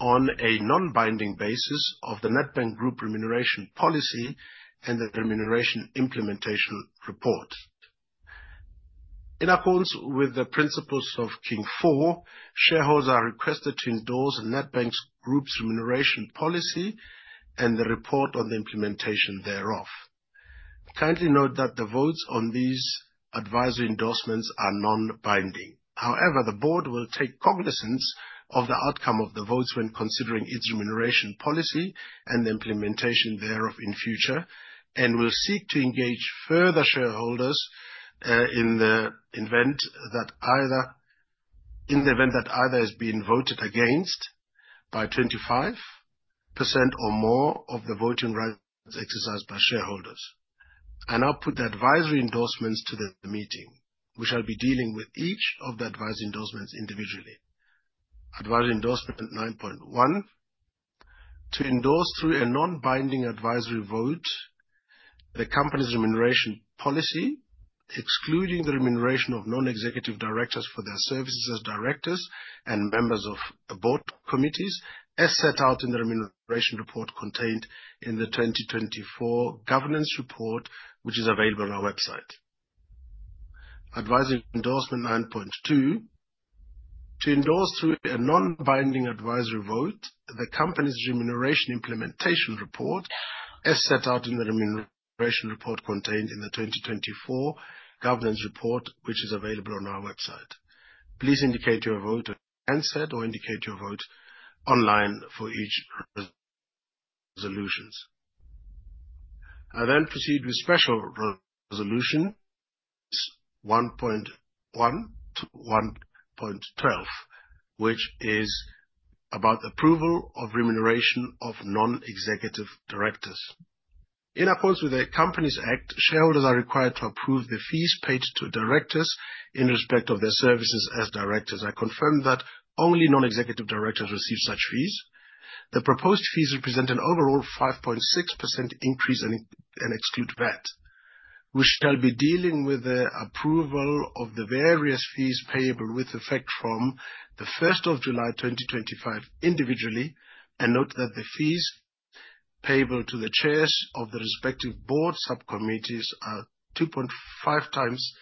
on a non-binding basis of the Nedbank Group remuneration policy and the remuneration implementation report. In accordance with the principles of King IV, shareholders are requested to endorse Nedbank Group's remuneration policy and the report on the implementation thereof. Kindly note that the votes on these advisory endorsements are non-binding. The board will take cognizance of the outcome of the votes when considering its remuneration policy and the implementation thereof in future, and will seek to engage further shareholders in the event that either has been voted against by 25% or more of the voting rights exercised by shareholders. I now put the advisory endorsements to the meeting. We shall be dealing with each of the advisory endorsements individually. Advisory endorsement 9.1, to endorse through a non-binding advisory vote the company's remuneration policy, excluding the remuneration of non-executive directors for their services as directors and members of the board committees, as set out in the remuneration report contained in the 2024 governance report, which is available on our website. Advisory endorsement 9.2, to endorse through a non-binding advisory vote the company's remuneration implementation report, as set out in the remuneration report contained in the 2024 governance report, which is available on our website. Please indicate your vote on your handset or indicate your vote online for each resolutions. I'll proceed with special resolutions 1.1 to 1.12, which is about approval of remuneration of non-executive directors. In accordance with the Companies Act, shareholders are required to approve the fees paid to directors in respect of their services as directors. I confirm that only non-executive directors receive such fees. The proposed fees represent an overall 5.6% increase and exclude VAT. We shall be dealing with the approval of the various fees payable with effect from the 1st of July 2025 individually. Note that the fees payable to the chairs of the respective board subcommittees are 2.5 times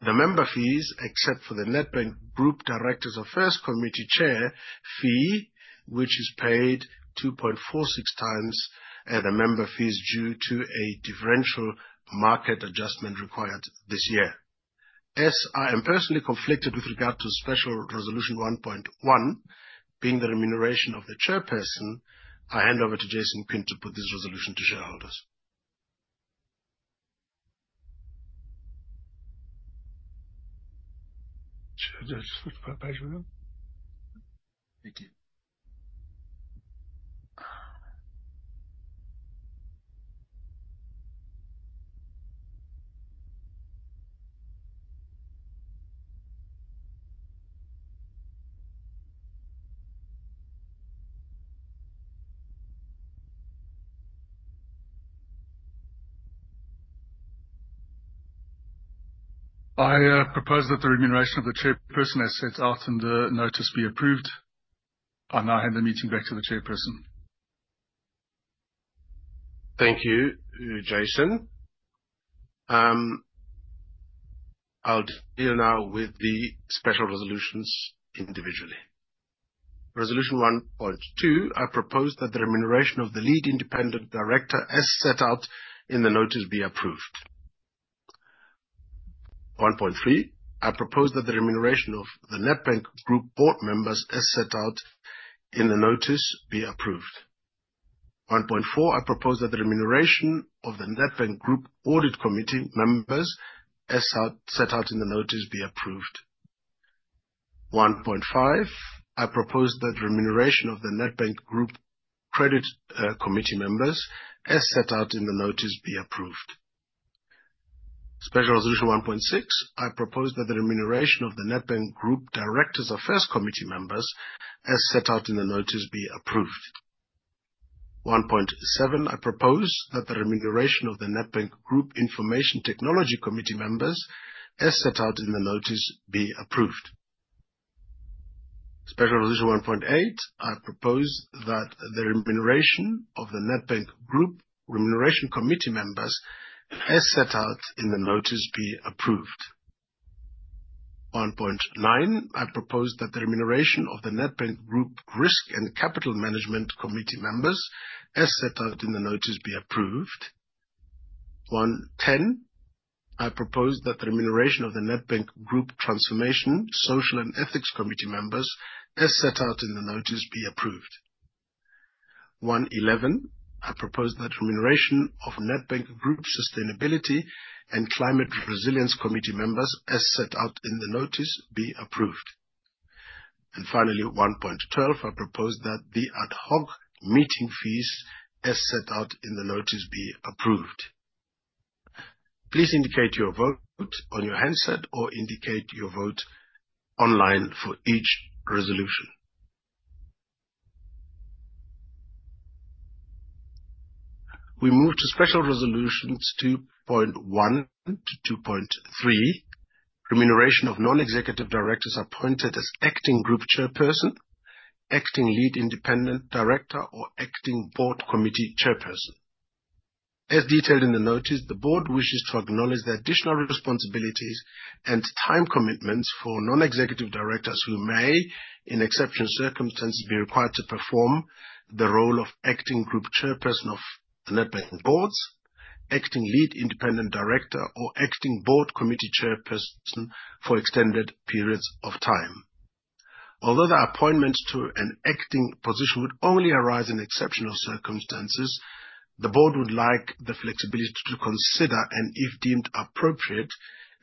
the member fees, except for the Nedbank Group Directors of Risk Committee chair fee, which is paid 2.46 times the member fees due to a differential market adjustment required this year. As I am personally conflicted with regard to special resolution 1.1, being the remuneration of the chairperson, I hand over to Jason Quinn to put this resolution to shareholders. Just flip a page for me. Thank you. I propose that the remuneration of the chairperson as set out in the notice be approved. I now hand the meeting back to the chairperson. Thank you, Jason. I'll deal now with the special resolutions individually. Resolution 1.2, I propose that the remuneration of the Lead Independent Director as set out in the notice be approved. 1.3, I propose that the remuneration of the Nedbank Group board members as set out in the notice be approved. 1.4, I propose that the remuneration of the Nedbank Group Audit Committee members as set out in the notice be approved. 1.5, I propose that remuneration of the Nedbank Group Credit Committee members as set out in the notice be approved. Special Resolution 1.6, I propose that the remuneration of the Nedbank Group Directors' Affairs Committee members as set out in the notice be approved. 1.7, I propose that the remuneration of the Nedbank Group Information Technology Committee members, as set out in the notice, be approved. Special Resolution 1.8, I propose that the remuneration of the Group Remuneration Committee members, as set out in the notice, be approved. 1.9, I propose that the remuneration of the Nedbank Group Risk and Capital Management Committee members, as set out in the notice, be approved. 1.10, I propose that the remuneration of the Nedbank Group Transformation, Social and Ethics Committee members, as set out in the notice, be approved. 1.11, I propose that remuneration of the Group Sustainability and Climate Resilience Committee members, as set out in the notice, be approved. Finally, 1.12, I propose that the Ad Hoc meeting fees, as set out in the notice, be approved. Please indicate your vote on your handset or indicate your vote online for each resolution. We move to Special Resolutions 2.1 to 2.3. Remuneration of non-executive directors appointed as acting Group Chairperson, acting Lead Independent Director, or acting board committee Chairperson. As detailed in the notice, the board wishes to acknowledge the additional responsibilities and time commitments for non-executive directors who may, in exceptional circumstances, be required to perform the role of acting Group Chairperson of the Nedbank boards, acting Lead Independent Director, or acting board committee Chairperson for extended periods of time. Although the appointments to an acting position would only arise in exceptional circumstances, the board would like the flexibility to consider, and if deemed appropriate,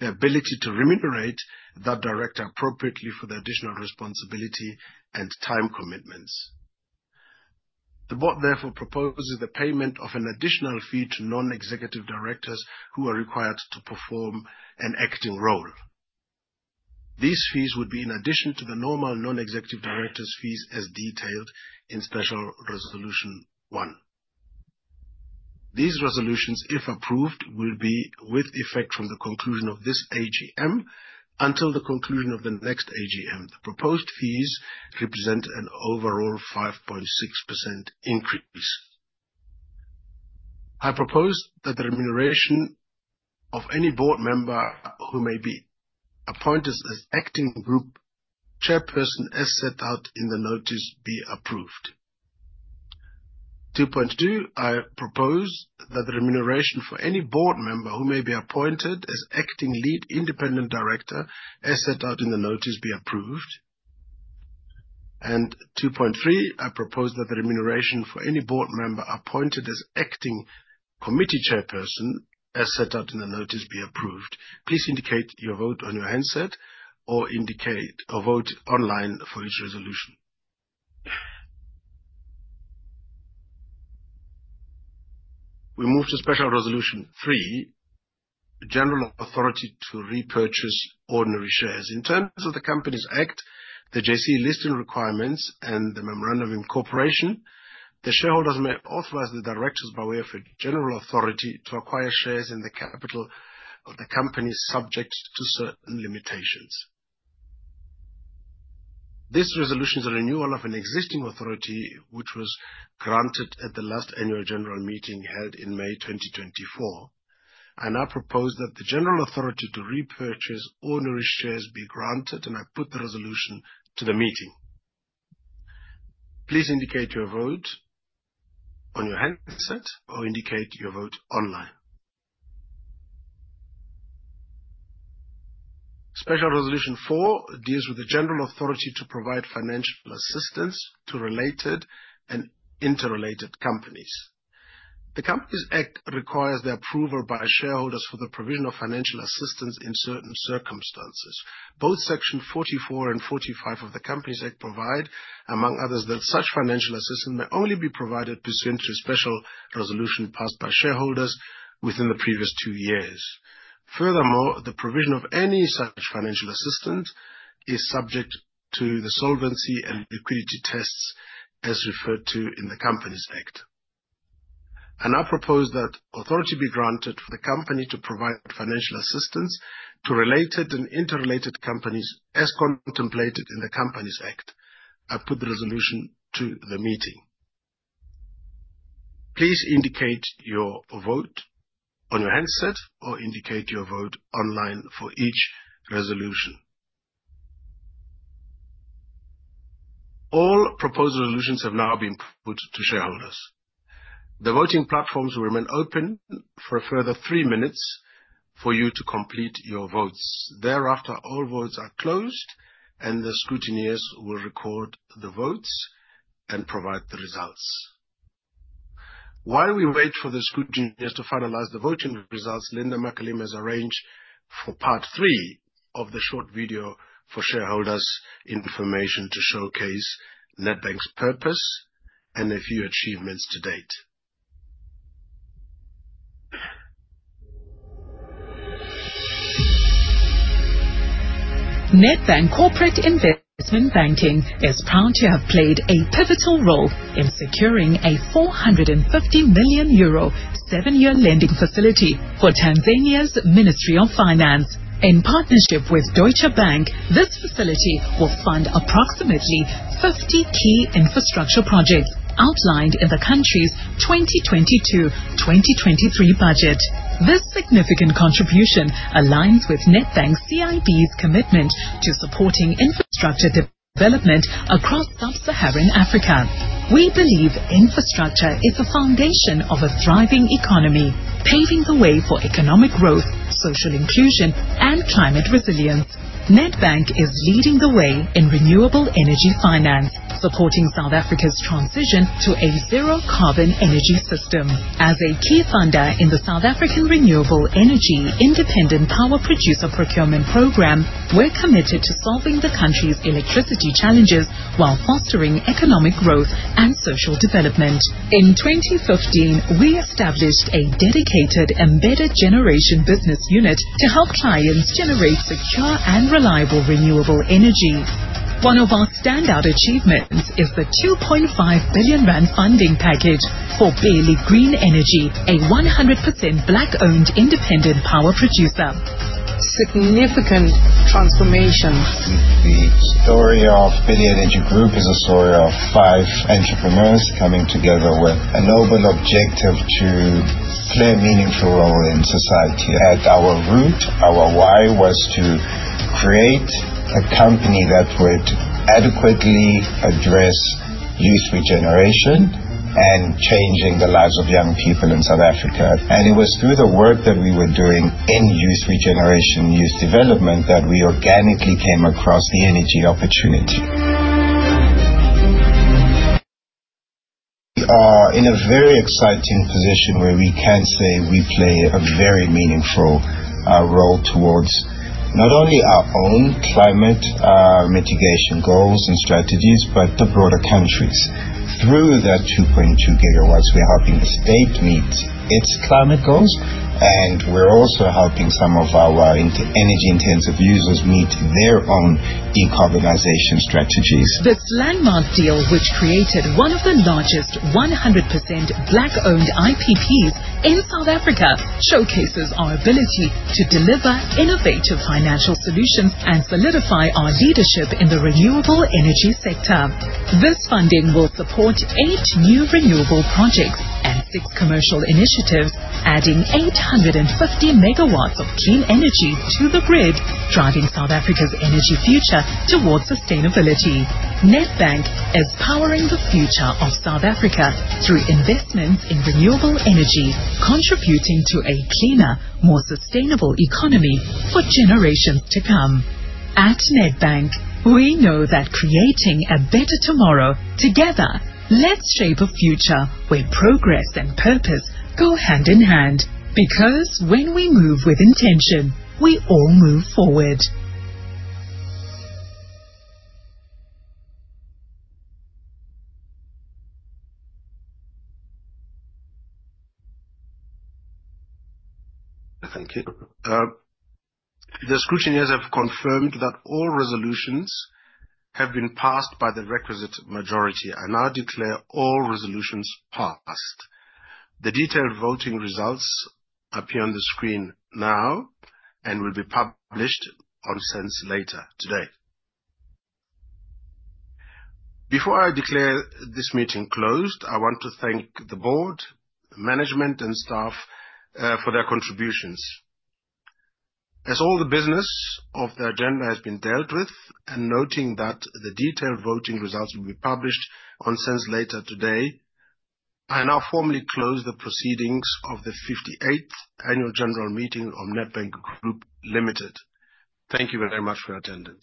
the ability to remunerate that director appropriately for the additional responsibility and time commitments. The board therefore proposes the payment of an additional fee to non-executive directors who are required to perform an acting role. These fees would be in addition to the normal non-executive director's fees as detailed in Special Resolution 1. These resolutions, if approved, will be with effect from the conclusion of this AGM until the conclusion of the next AGM. The proposed fees represent an overall 5.6% increase. I propose that the remuneration of any board member who may be appointed as acting Group Chairperson, as set out in the notice, be approved. 2.2, I propose that the remuneration for any board member who may be appointed as acting Lead Independent Director, as set out in the notice, be approved. 2.3, I propose that the remuneration for any board member appointed as acting committee Chairperson, as set out in the notice, be approved. Please indicate your vote on your handset or indicate a vote online for each resolution. We move to Special Resolution 3, general authority to repurchase ordinary shares. In terms of the Companies Act, the JSE listing requirements, and the Memorandum Incorporation, the shareholders may authorize the directors by way of a general authority to acquire shares in the capital of the company subject to certain limitations. This resolution is a renewal of an existing authority which was granted at the last annual general meeting held in May 2024. I propose that the general authority to repurchase ordinary shares be granted, and I put the resolution to the meeting. Please indicate your vote on your handset or indicate your vote online. Special Resolution 4 deals with the general authority to provide financial assistance to related and interrelated companies. The Companies Act requires the approval by shareholders for the provision of financial assistance in certain circumstances. Both Section 44 and 45 of the Companies Act provide, among others, that such financial assistance may only be provided pursuant to a special resolution passed by shareholders within the previous two years. Furthermore, the provision of any such financial assistance is subject to the solvency and liquidity tests as referred to in the Companies Act. I propose that authority be granted for the company to provide financial assistance to related and interrelated companies as contemplated in the Companies Act. I put the resolution to the meeting. Please indicate your vote on your handset or indicate your vote online for each resolution. All proposed resolutions have now been put to shareholders. The voting platforms will remain open for a further three minutes for you to complete your votes. Thereafter, all votes are closed and the scrutineers will record the votes and provide the results. While we wait for the scrutineers to finalize the voting results, Linda Makalima has arranged for part three of the short video for shareholders information to showcase Nedbank's purpose and a few achievements to date. Nedbank Corporate and Investment Banking is proud to have played a pivotal role in securing a €450 million seven-year lending facility for Tanzania's Ministry of Finance. In partnership with Deutsche Bank, this facility will fund approximately 50 key infrastructure projects outlined in the country's 2022/2023 budget. This significant contribution aligns with Nedbank CIB's commitment to supporting infrastructure development across sub-Saharan Africa. We believe infrastructure is the foundation of a thriving economy, paving the way for economic growth, social inclusion and climate resilience. Nedbank is leading the way in renewable energy finance, supporting South Africa's transition to a zero carbon energy system. As a key funder in the South African Renewable Energy Independent Power Producer Procurement Programme, we're committed to solving the country's electricity challenges while fostering economic growth and social development. In 2015, we established a dedicated embedded generation business unit to help clients generate secure and reliable renewable energy. One of our standout achievements is the 2.5 billion rand funding package for Pele Green Energy, a 100% black-owned independent power producer. Significant transformation. The story of Pele Energy Group is a story of five entrepreneurs coming together with a noble objective to play a meaningful role in society. At our root, our why was to create a company that would adequately address youth regeneration and changing the lives of young people in South Africa. It was through the work that we were doing in youth regeneration, youth development that we organically came across the energy opportunity. We are in a very exciting position where we can say we play a very meaningful role towards not only our own climate mitigation goals and strategies, but the broader countries. Through the 2.2 gigawatts, we are helping the state meet its climate goals and we are also helping some of our energy intensive users meet their own decarbonization strategies. This landmark deal, which created one of the largest 100% black-owned IPPs in South Africa, showcases our ability to deliver innovative financial solutions and solidify our leadership in the renewable energy sector. This funding will support eight new renewable projects and six commercial initiatives, adding 850 megawatts of clean energy to the grid, driving South Africa's energy future towards sustainability. Nedbank is powering the future of South Africa through investments in renewable energy, contributing to a cleaner, more sustainable economy for generations to come. At Nedbank, we know that creating a better tomorrow. Together, let's shape a future where progress and purpose go hand in hand, because when we move with intention, we all move forward. Thank you. The scrutineers have confirmed that all resolutions have been passed by the requisite majority. I now declare all resolutions passed. The detailed voting results appear on the screen now and will be published on SENS later today. Before I declare this meeting closed, I want to thank the board, management and staff for their contributions. As all the business of the agenda has been dealt with, and noting that the detailed voting results will be published on SENS later today, I now formally close the proceedings of the 58th Annual General Meeting of Nedbank Group Limited. Thank you very much for your attendance.